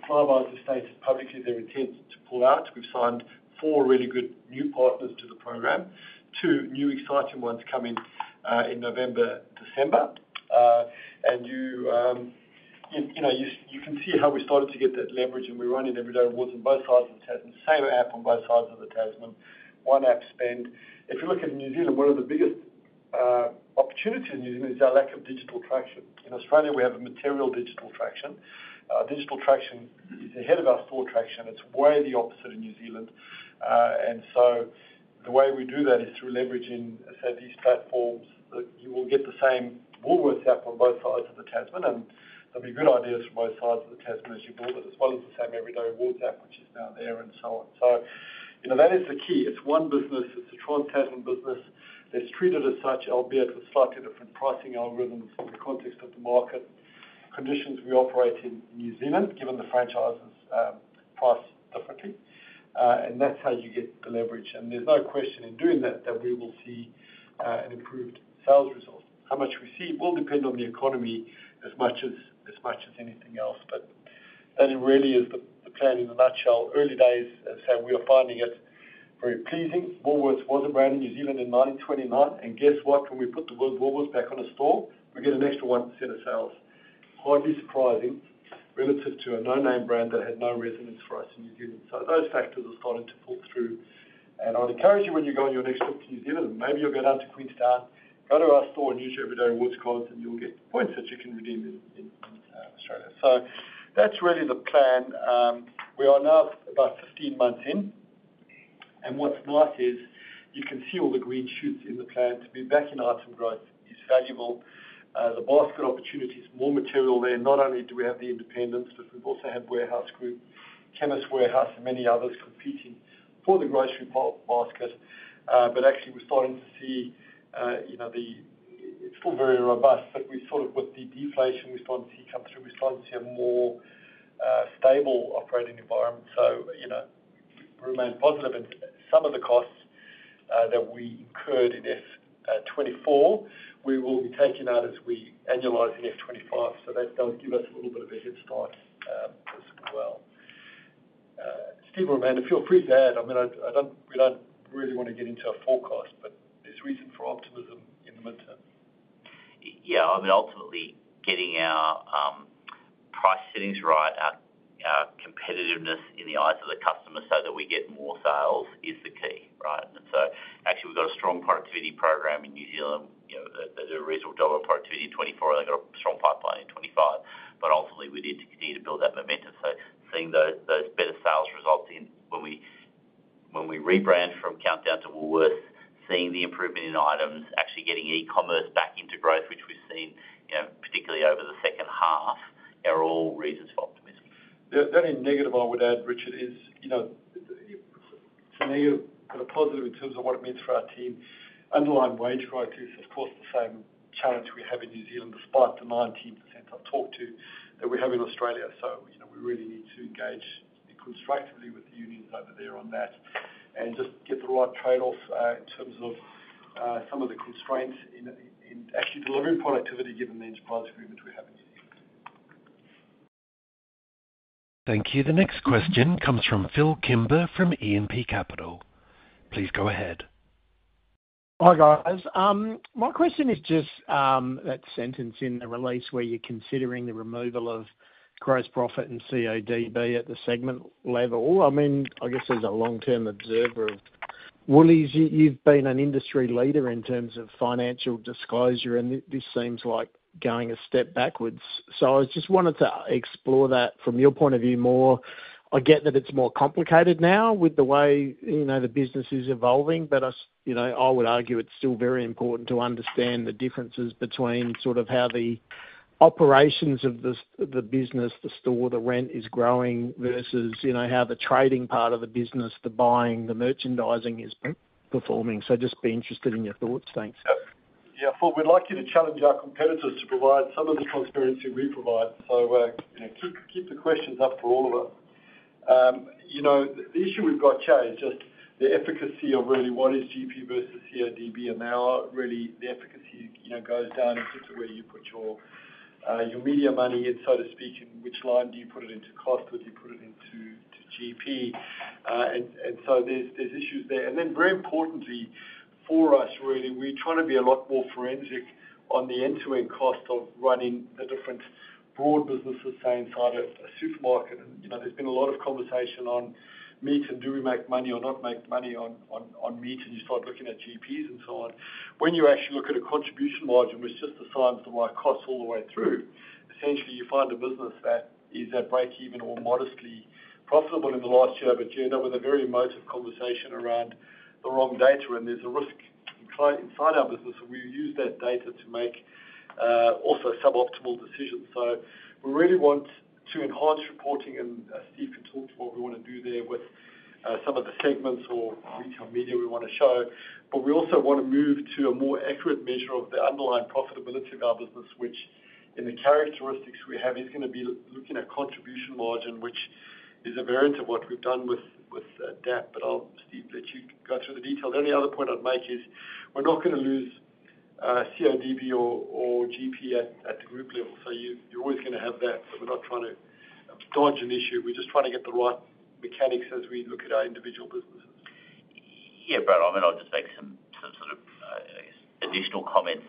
One of us has stated publicly their intent to pull out. We've signed four really good new partners to the program, two new exciting ones coming in November, December. You know, you can see how we started to get that leverage, and we run it Everyday Rewards on both sides of the Tasman. Same app on both sides of the Tasman, one app spend. If you look at New Zealand, one of the biggest opportunity in New Zealand is our lack of digital traction. In Australia, we have a material digital traction. Digital traction is ahead of our store traction. It's way the opposite in New Zealand, and so the way we do that is through leveraging, as I said, these platforms, that you will get the same Woolworths app on both sides of the Tasman, and they'll be good ideas from both sides of the Tasman as you build it, as well as the same Everyday Rewards app, which is now there, and so on. So, you know, that is the key. It's one business. It's a trans-Tasman business. It's treated as such, albeit with slightly different pricing algorithms in the context of the market conditions we operate in New Zealand, given the franchises price differently. And that's how you get the leverage. And there's no question in doing that, that we will see an improved sales result. How much we see will depend on the economy as much as, as much as anything else. But that really is the plan in a nutshell. Early days, as I said, we are finding it very pleasing. Woolworths was a brand in New Zealand in 1929, and guess what? When we put the word Woolworths back on a store, we get an extra 1% of sales. Hardly surprising, relative to a no-name brand that had no resonance for us in New Zealand. So those factors are starting to pull through, and I'd encourage you, when you go on your next trip to New Zealand, maybe you'll go down to Queenstown, go to our store and use your Everyday Rewards cards, and you'll get the points that you can redeem in Australia. So that's really the plan. We are now about 15 months in, and what's nice is you can see all the green shoots in the plan. To be back in item growth is valuable. The basket opportunity is more material there. Not only do we have the independents, but we've also had Warehouse Group, Chemist Warehouse, and many others competing for the grocery part basket. But actually we're starting to see, you know, the-- it's still very robust, but we sort of, with the deflation we're starting to see come through, we're starting to see a more, stable operating environment. So, you know, we remain positive. And some of the costs that we incurred in F 2024, we will be taking out as we annualize in F 2025. So that does give us a little bit of a head start, as well. Steve or Amanda, feel free to add. I mean, we don't really want to get into a forecast, but there's reason for optimism in the midterm. Yeah, I mean, ultimately, getting our price settings right, our competitiveness in the eyes of the customer so that we get more sales is the key, right? So actually, we've got a strong productivity program in New Zealand. You know, the original dollar productivity in 2024, they got a strong pipeline in 2025. But ultimately, we need to build that momentum. So seeing those better sales results in when we rebrand from Countdown to Woolworths, seeing the improvement in items, actually getting e-commerce back into growth, which we've seen, you know, particularly over the second half, are all reasons for optimism. The only negative I would add, Richard, is, you know, to me, a positive in terms of what it means for our team. Underlying wage growth is, of course, the same challenge we have in New Zealand, despite the 19% I've talked to, that we have in Australia. So, you know, we really need to engage constructively with the unions over there on that and just get the right trade-offs, in terms of, some of the constraints in actually delivering productivity given the enterprise agreement we have in New Zealand. Thank you. The next question comes from Phil Kimber, from E&P Capital. Please go ahead. Hi, guys. My question is just, that sentence in the release where you're considering the removal of gross profit and CODB at the segment level. I mean, I guess as a long-term observer of Woolies, you, you've been an industry leader in terms of financial disclosure, and this seems like going a step backwards. So I just wanted to explore that from your point of view more. I get that it's more complicated now with the way, you know, the business is evolving, but you know, I would argue it's still very important to understand the differences between sort of how the operations of this, the business, the store, the rent is growing, versus, you know, how the trading part of the business, the buying, the merchandising is performing. So just be interested in your thoughts. Thanks. Yeah. Yeah. Phil, we'd like you to challenge our competitors to provide some of the transparency we provide. So, you know, keep the questions up for all of us. You know, the issue we've got, Chad, is just the efficacy of really what is GP versus CODB, and now really, the efficacy, you know, goes down in terms of where you put your media money in, so to speak, and which line do you put it into cost or do you put it into GP? And so there's issues there. And then very importantly for us, really, we try to be a lot more forensic on the end-to-end cost of running the different broad businesses, say, inside a supermarket. You know, there's been a lot of conversation on meat and do we make money or not make money on meat, and you start looking at GPs and so on. When you actually look at a contribution margin, which just assigns the right costs all the way through, essentially you find a business that is at break even or modestly profitable in the last year, but you end up with a very emotive conversation around the wrong data, and there's a risk inside our business, and we use that data to make also suboptimal decisions. So we really want to enhance reporting, and Steve can talk to what we wanna do there with some of the segments or retail media we wanna show. But we also want to move to a more accurate measure of the underlying profitability of our business, which in the characteristics we have, is gonna be looking at contribution margin, which is a variant of what we've done with DAP. But I'll, Steve, let you go through the details. The only other point I'd make is we're not gonna lose CODB or GP at the group level. So you're always gonna have that, but we're not trying to dodge an issue. We're just trying to get the right mechanics as we look at our individual businesses. Yeah, Brad, I mean, I'll just make some additional comments.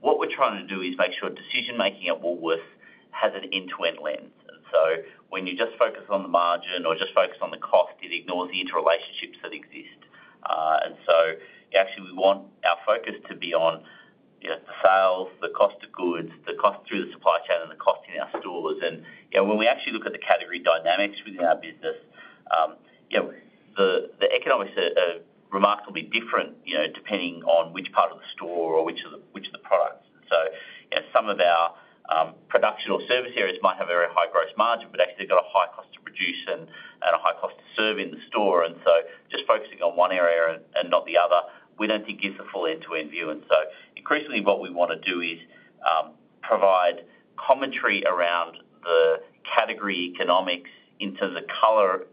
What we're trying to do is make sure decision-making at Woolworths has an end-to-end lens. So when you just focus on the margin or just focus on the cost, it ignores the interrelationships that exist. And so actually, we want our focus to be on, you know, the sales, the cost of goods, the cost through the supply chain, and the cost in our stores. And, you know, when we actually look at the category dynamics within our business, you know, the economics are remarkably different, you know, depending on which part of the store or which of the products. So, you know, some of our production or service areas might have a very high gross margin, but actually got a high cost to produce and a high cost to serve in the store. And so just focusing on one area and not the other, we don't think gives the full end-to-end view. And so increasingly what we want to do is provide commentary around the category economics in terms of color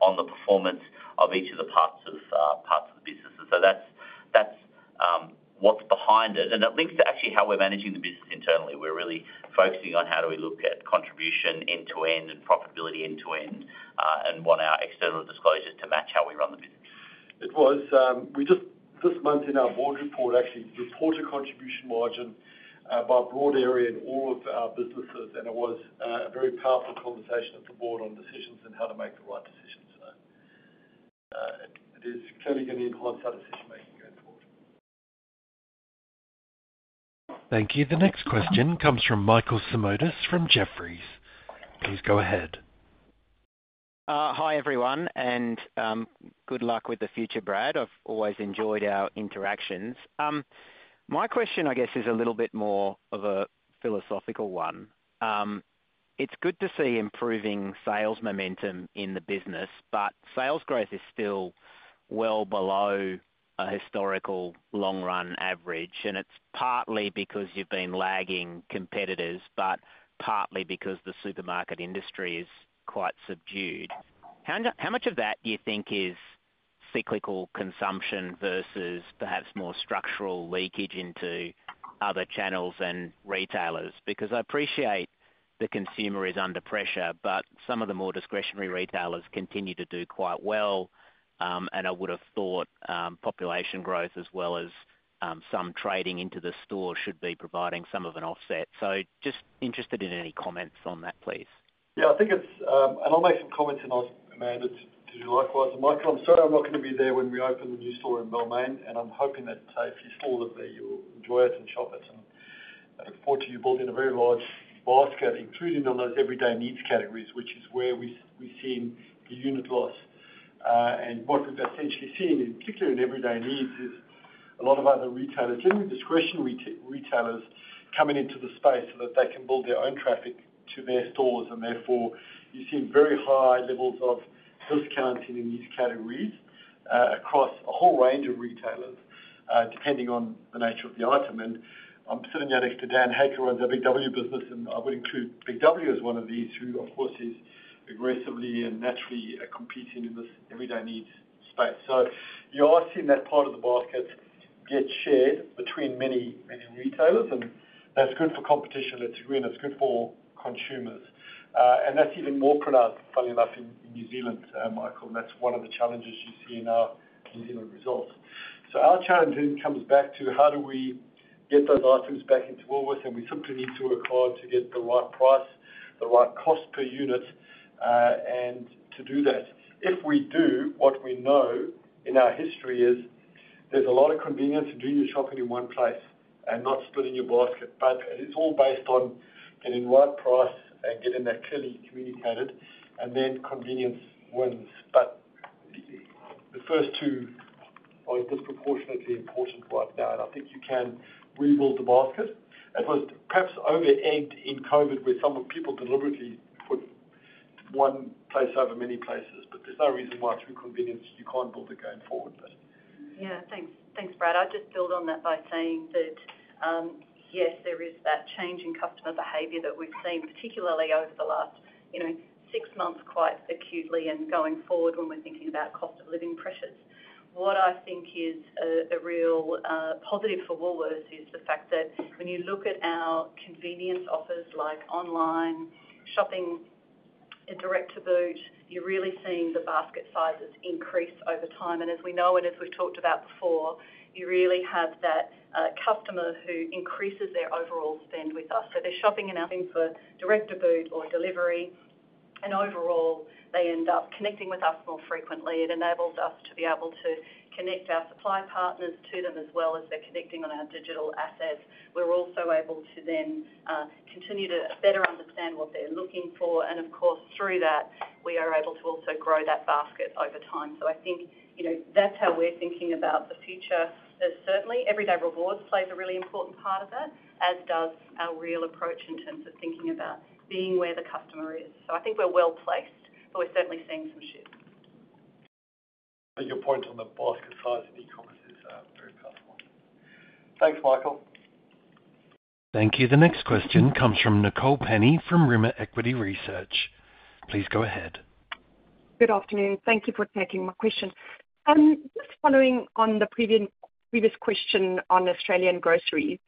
on the performance of each of the parts of the business. So that's what's behind it, and it links to actually how we're managing the business internally. We're really focusing on how do we look at contribution end-to-end and profitability end-to-end and want our external disclosures to match how we run the business. It was this month in our board report. Actually reported contribution margin by broad area in all of our businesses, and it was a very powerful conversation with the board on decisions and how to make the right decisions. So, it is clearly going to influence our decision-making going forward. Thank you. The next question comes from Michael Simotas from Jefferies. Please go ahead. Hi, everyone, and, good luck with the future, Brad. I've always enjoyed our interactions. My question, I guess, is a little bit more of a philosophical one. It's good to see improving sales momentum in the business, but sales growth is still well below a historical long run average, and it's partly because you've been lagging competitors, but partly because the supermarket industry is quite subdued. How much of that do you think is cyclical consumption versus perhaps more structural leakage into other channels and retailers? Because I appreciate the consumer is under pressure, but some of the more discretionary retailers continue to do quite well, and I would have thought, population growth as well as, some trading into the store should be providing some of an offset. So just interested in any comments on that, please. Yeah, I think it's. And I'll make some comments, and I'll hand over to Amanda, to you likewise. And Michael, I'm sorry, I'm not going to be there when we open the new store in Melbourne, and I'm hoping that if you're still there, you'll enjoy it and shop it. And I look forward to you building a very large basket, including on those everyday needs categories, which is where we've seen the unit loss. And what we've essentially seen, in particular in everyday needs, is a lot of other retailers, even discretionary retailers, coming into the space so that they can build their own traffic to their stores, and therefore, you've seen very high levels of discounting in these categories, across a whole range of retailers, depending on the nature of the item. I'm sitting here next to Dan Hake, who runs our BIG W business, and I would include BIG W as one of these, who, of course, is aggressively and naturally competing in this everyday needs space. You are seeing that part of the basket get shared between many, many retailers, and that's good for competition, it's green, it's good for consumers. That's even more pronounced, funny enough, in New Zealand, Michael, and that's one of the challenges you see in our New Zealand results. Our challenge then comes back to how do we get those items back into Woolworths. We simply need to work hard to get the right price, the right cost per unit, and to do that. If we do, what we know in our history is there's a lot of convenience in doing your shopping in one place and not splitting your basket. But it is all based on getting the right price and getting that clearly communicated, and then convenience wins. But the first two are disproportionately important right now, and I think you can rebuild the basket. It was perhaps over-egged in COVID, where some of the people deliberately put one place over many places, but there's no reason why, through convenience, you can't build it going forward, but. Yeah. Thanks. Thanks, Brad. I'll just build on that by saying that, yes, there is that change in customer behavior that we've seen, particularly over the last, you know, six months, quite acutely and going forward when we're thinking about cost of living pressures. What I think is a real positive for Woolworths is the fact that when you look at our convenience offers, like online shopping and Direct to Boot, you're really seeing the basket sizes increase over time. And as we know and as we've talked about before, you really have that customer who increases their overall spend with us. So they're shopping and looking for Direct to Boot or delivery, and overall, they end up connecting with us more frequently. It enables us to be able to connect our supply partners to them, as well as they're connecting on our digital assets. We're also able to then continue to better understand what they're looking for, and of course, through that, we are able to also grow that basket over time. So I think, you know, that's how we're thinking about the future. There's certainly. Everyday Rewards plays a really important part of that, as does our retail approach in terms of thinking about being where the customer is. So I think we're well placed, but we're certainly seeing some shifts. Your point on the basket size in e-commerce is very powerful. Thanks, Michael. Thank you. The next question comes from Nicole Penny from Rimer Equity Research. Please go ahead. Good afternoon. Thank you for taking my question. Just following on the previous question on Australian groceries....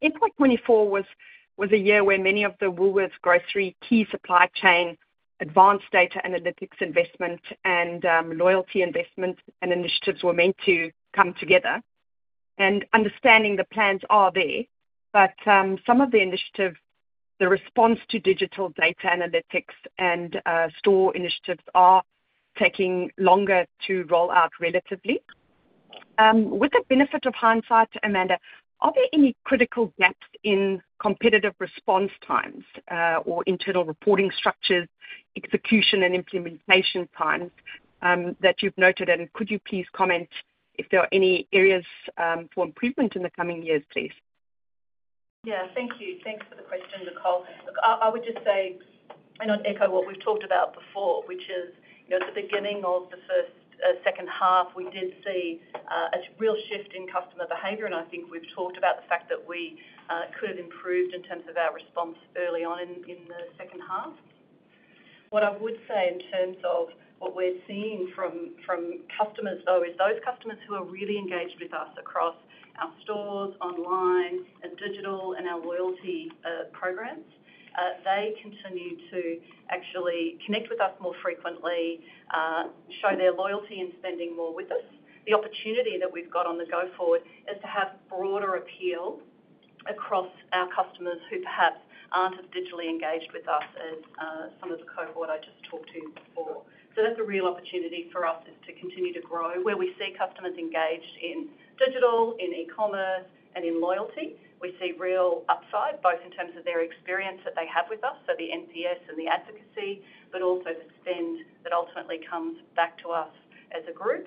FY 2024 was a year where many of the Woolworths grocery key supply chain, advanced data analytics investment, and loyalty investments and initiatives were meant to come together. And understanding the plans are there, but some of the initiatives, the response to digital data analytics and store initiatives are taking longer to roll out relatively. With the benefit of hindsight, Amanda, are there any critical gaps in competitive response times, or internal reporting structures, execution and implementation times that you've noted? And could you please comment if there are any areas for improvement in the coming years, please? Yeah, thank you. Thanks for the question, Nicole. I would just say, and I'll echo what we've talked about before, which is, you know, at the beginning of the second half, we did see a real shift in customer behavior. And I think we've talked about the fact that we could have improved in terms of our response early on in the second half. What I would say in terms of what we're seeing from customers, though, is those customers who are really engaged with us across our stores, online, and digital, and our loyalty programs, they continue to actually connect with us more frequently, show their loyalty and spending more with us. The opportunity that we've got on the go forward is to have broader appeal across our customers who perhaps aren't as digitally engaged with us as some of the cohort I just talked to before. So that's a real opportunity for us, is to continue to grow. Where we see customers engaged in digital, in e-commerce, and in loyalty, we see real upside, both in terms of their experience that they have with us, so the NPS and the advocacy, but also the spend that ultimately comes back to us as a group.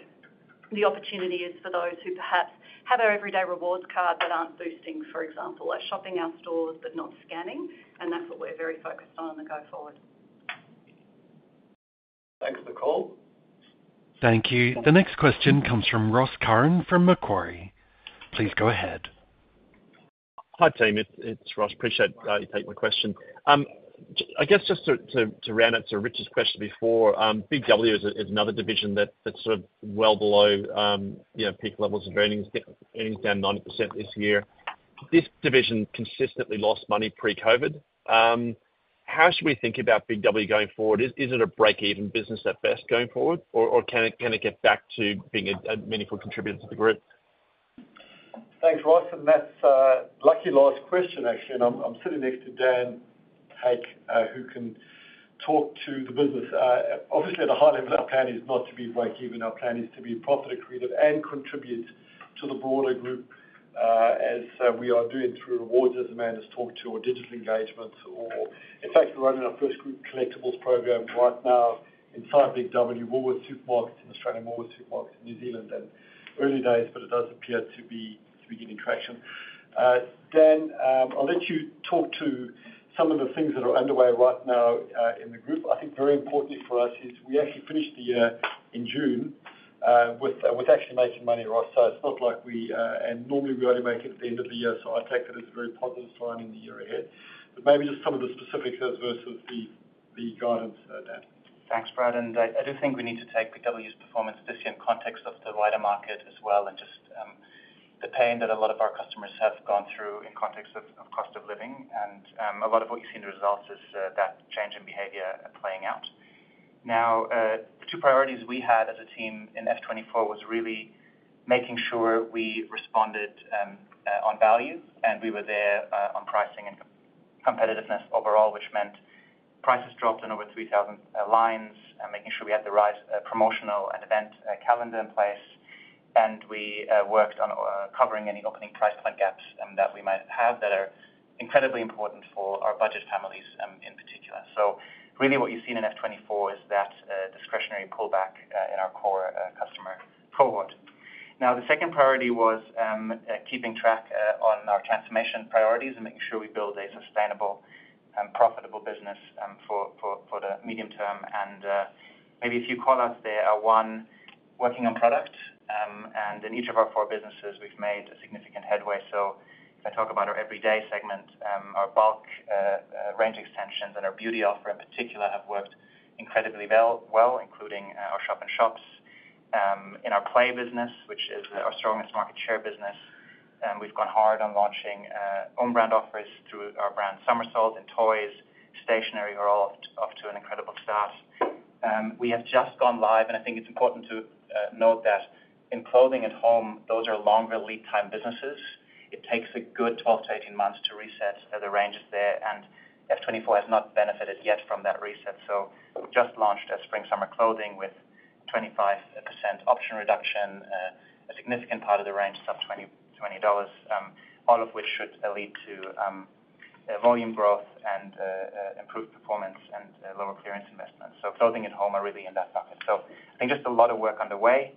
The opportunity is for those who perhaps have our Everyday Rewards card but aren't boosting, for example, are shopping our stores but not scanning, and that's what we're very focused on the go forward. Thanks, Nicole. Thank you. The next question comes from Ross Curran from Macquarie. Please go ahead. Hi, team, it's Ross. Appreciate you taking my question. I guess, just to round out Rich's question before, Big W is another division that's sort of well below, you know, peak levels of earnings, earnings down 90% this year. This division consistently lost money pre-COVID. How should we think about Big W going forward? Is it a break-even business at best going forward, or can it get back to being a meaningful contributor to the group? Thanks, Ross, and that's a lucky last question, actually, and I'm sitting next to Dan Hake, who can talk to the business. Obviously, at a high level, our plan is not to be break even. Our plan is to be profitably accretive and contribute to the broader group, as we are doing through rewards, as Amanda's talked to, or digital engagements, or. In fact, we're running our first group collectibles program right now inside BIG W, Woolworths supermarkets in Australia, Woolworths supermarkets in New Zealand, and early days, but it does appear to be gaining traction. Dan, I'll let you talk to some of the things that are underway right now, in the group. I think very importantly for us is we actually finished the year in June with actually making money, Ross, so it's not like we... and normally, we only make it at the end of the year, so I take that as a very positive sign in the year ahead, but maybe just some of the specifics versus the guidance, Dan. Thanks, Brad, and I do think we need to take Big W's performance this year in context of the wider market as well, and just the pain that a lot of our customers have gone through in context of cost of living, and a lot of what you see in the results is that change in behavior playing out. Now, the two priorities we had as a team in F 2024 was really making sure we responded on value, and we were there on pricing and competitiveness overall, which meant prices dropped in over three thousand lines, and making sure we had the right promotional and event calendar in place, and we worked on covering any opening price point gaps that we might have that are incredibly important for our budget families in particular. So really what you've seen in F 2024 is that, discretionary pullback, in our core, customer cohort. Now, the second priority was, keeping track, on our transformation priorities and making sure we build a sustainable and profitable business, for the medium term. And, maybe a few call-outs there are, one, working on product, and in each of our four businesses, we've made a significant headway. So if I talk about our everyday segment, our bulk, range extensions and our beauty offer in particular, have worked incredibly well, including, our shop-in-shops, in our play business, which is our strongest market share business. We've gone hard on launching, own brand offers through our brand Somersault and toys. Stationery are all off to an incredible start. We have just gone live, and I think it's important to note that in clothing at home, those are longer lead time businesses. It takes a good 12-18 months to reset the ranges there, and FY 2024 has not benefited yet from that reset. So we've just launched a spring summer clothing with 25% option reduction, a significant part of the range is up $20, $20, all of which should lead to volume growth and improved performance and lower clearance investment. So clothing at home are really in that bucket. So I think just a lot of work underway.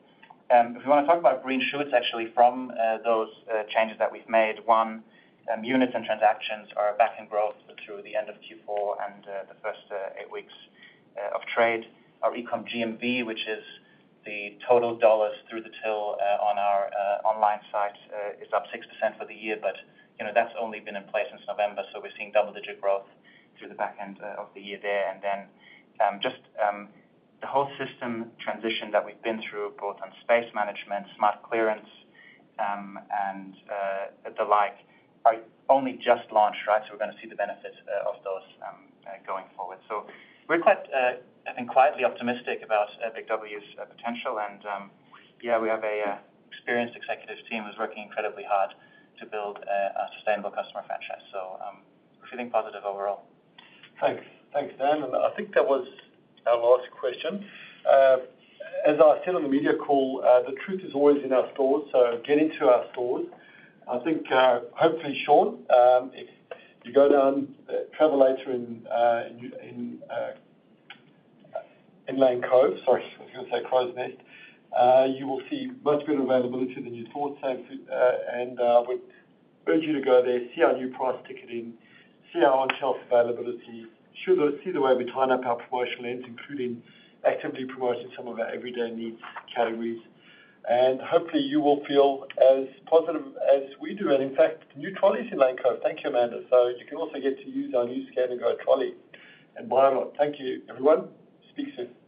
If you want to talk about green shoots, actually, from those changes that we've made, units and transactions are back in growth through the end of Q4 and the first eight weeks of trade. Our e-com GMV, which is the total dollars through the till, on our online site, is up 6% for the year, but, you know, that's only been in place since November, so we're seeing double-digit growth through the back end of the year there. And then, just, the whole system transition that we've been through, both on space management, smart clearance, and the like, are only just launched, right? So we're gonna see the benefits of those going forward. So we're quite, I think, quietly optimistic about BIG W's potential. Yeah, we have an experienced executive team who's working incredibly hard to build a sustainable customer franchise. We're feeling positive overall. Thanks. Thanks, Dan. And I think that was our last question. As I said on the media call, the truth is always in our stores, so get into our stores. I think, hopefully, Shaun, if you go down, travel later in Lane Cove, sorry, I was gonna say Crows Nest, you will see much better availability than you thought, and we urge you to go there, see our new price ticketing, see our on-shelf availability, should see the way we tie up our promotional ends, including actively promoting some of our everyday needs categories. And hopefully, you will feel as positive as we do. And in fact, new trolleys in Lane Cove. Thank you, Amanda. So you can also get to use our new Scan&Go trolley. And why not? Thank you, everyone. Speak soon.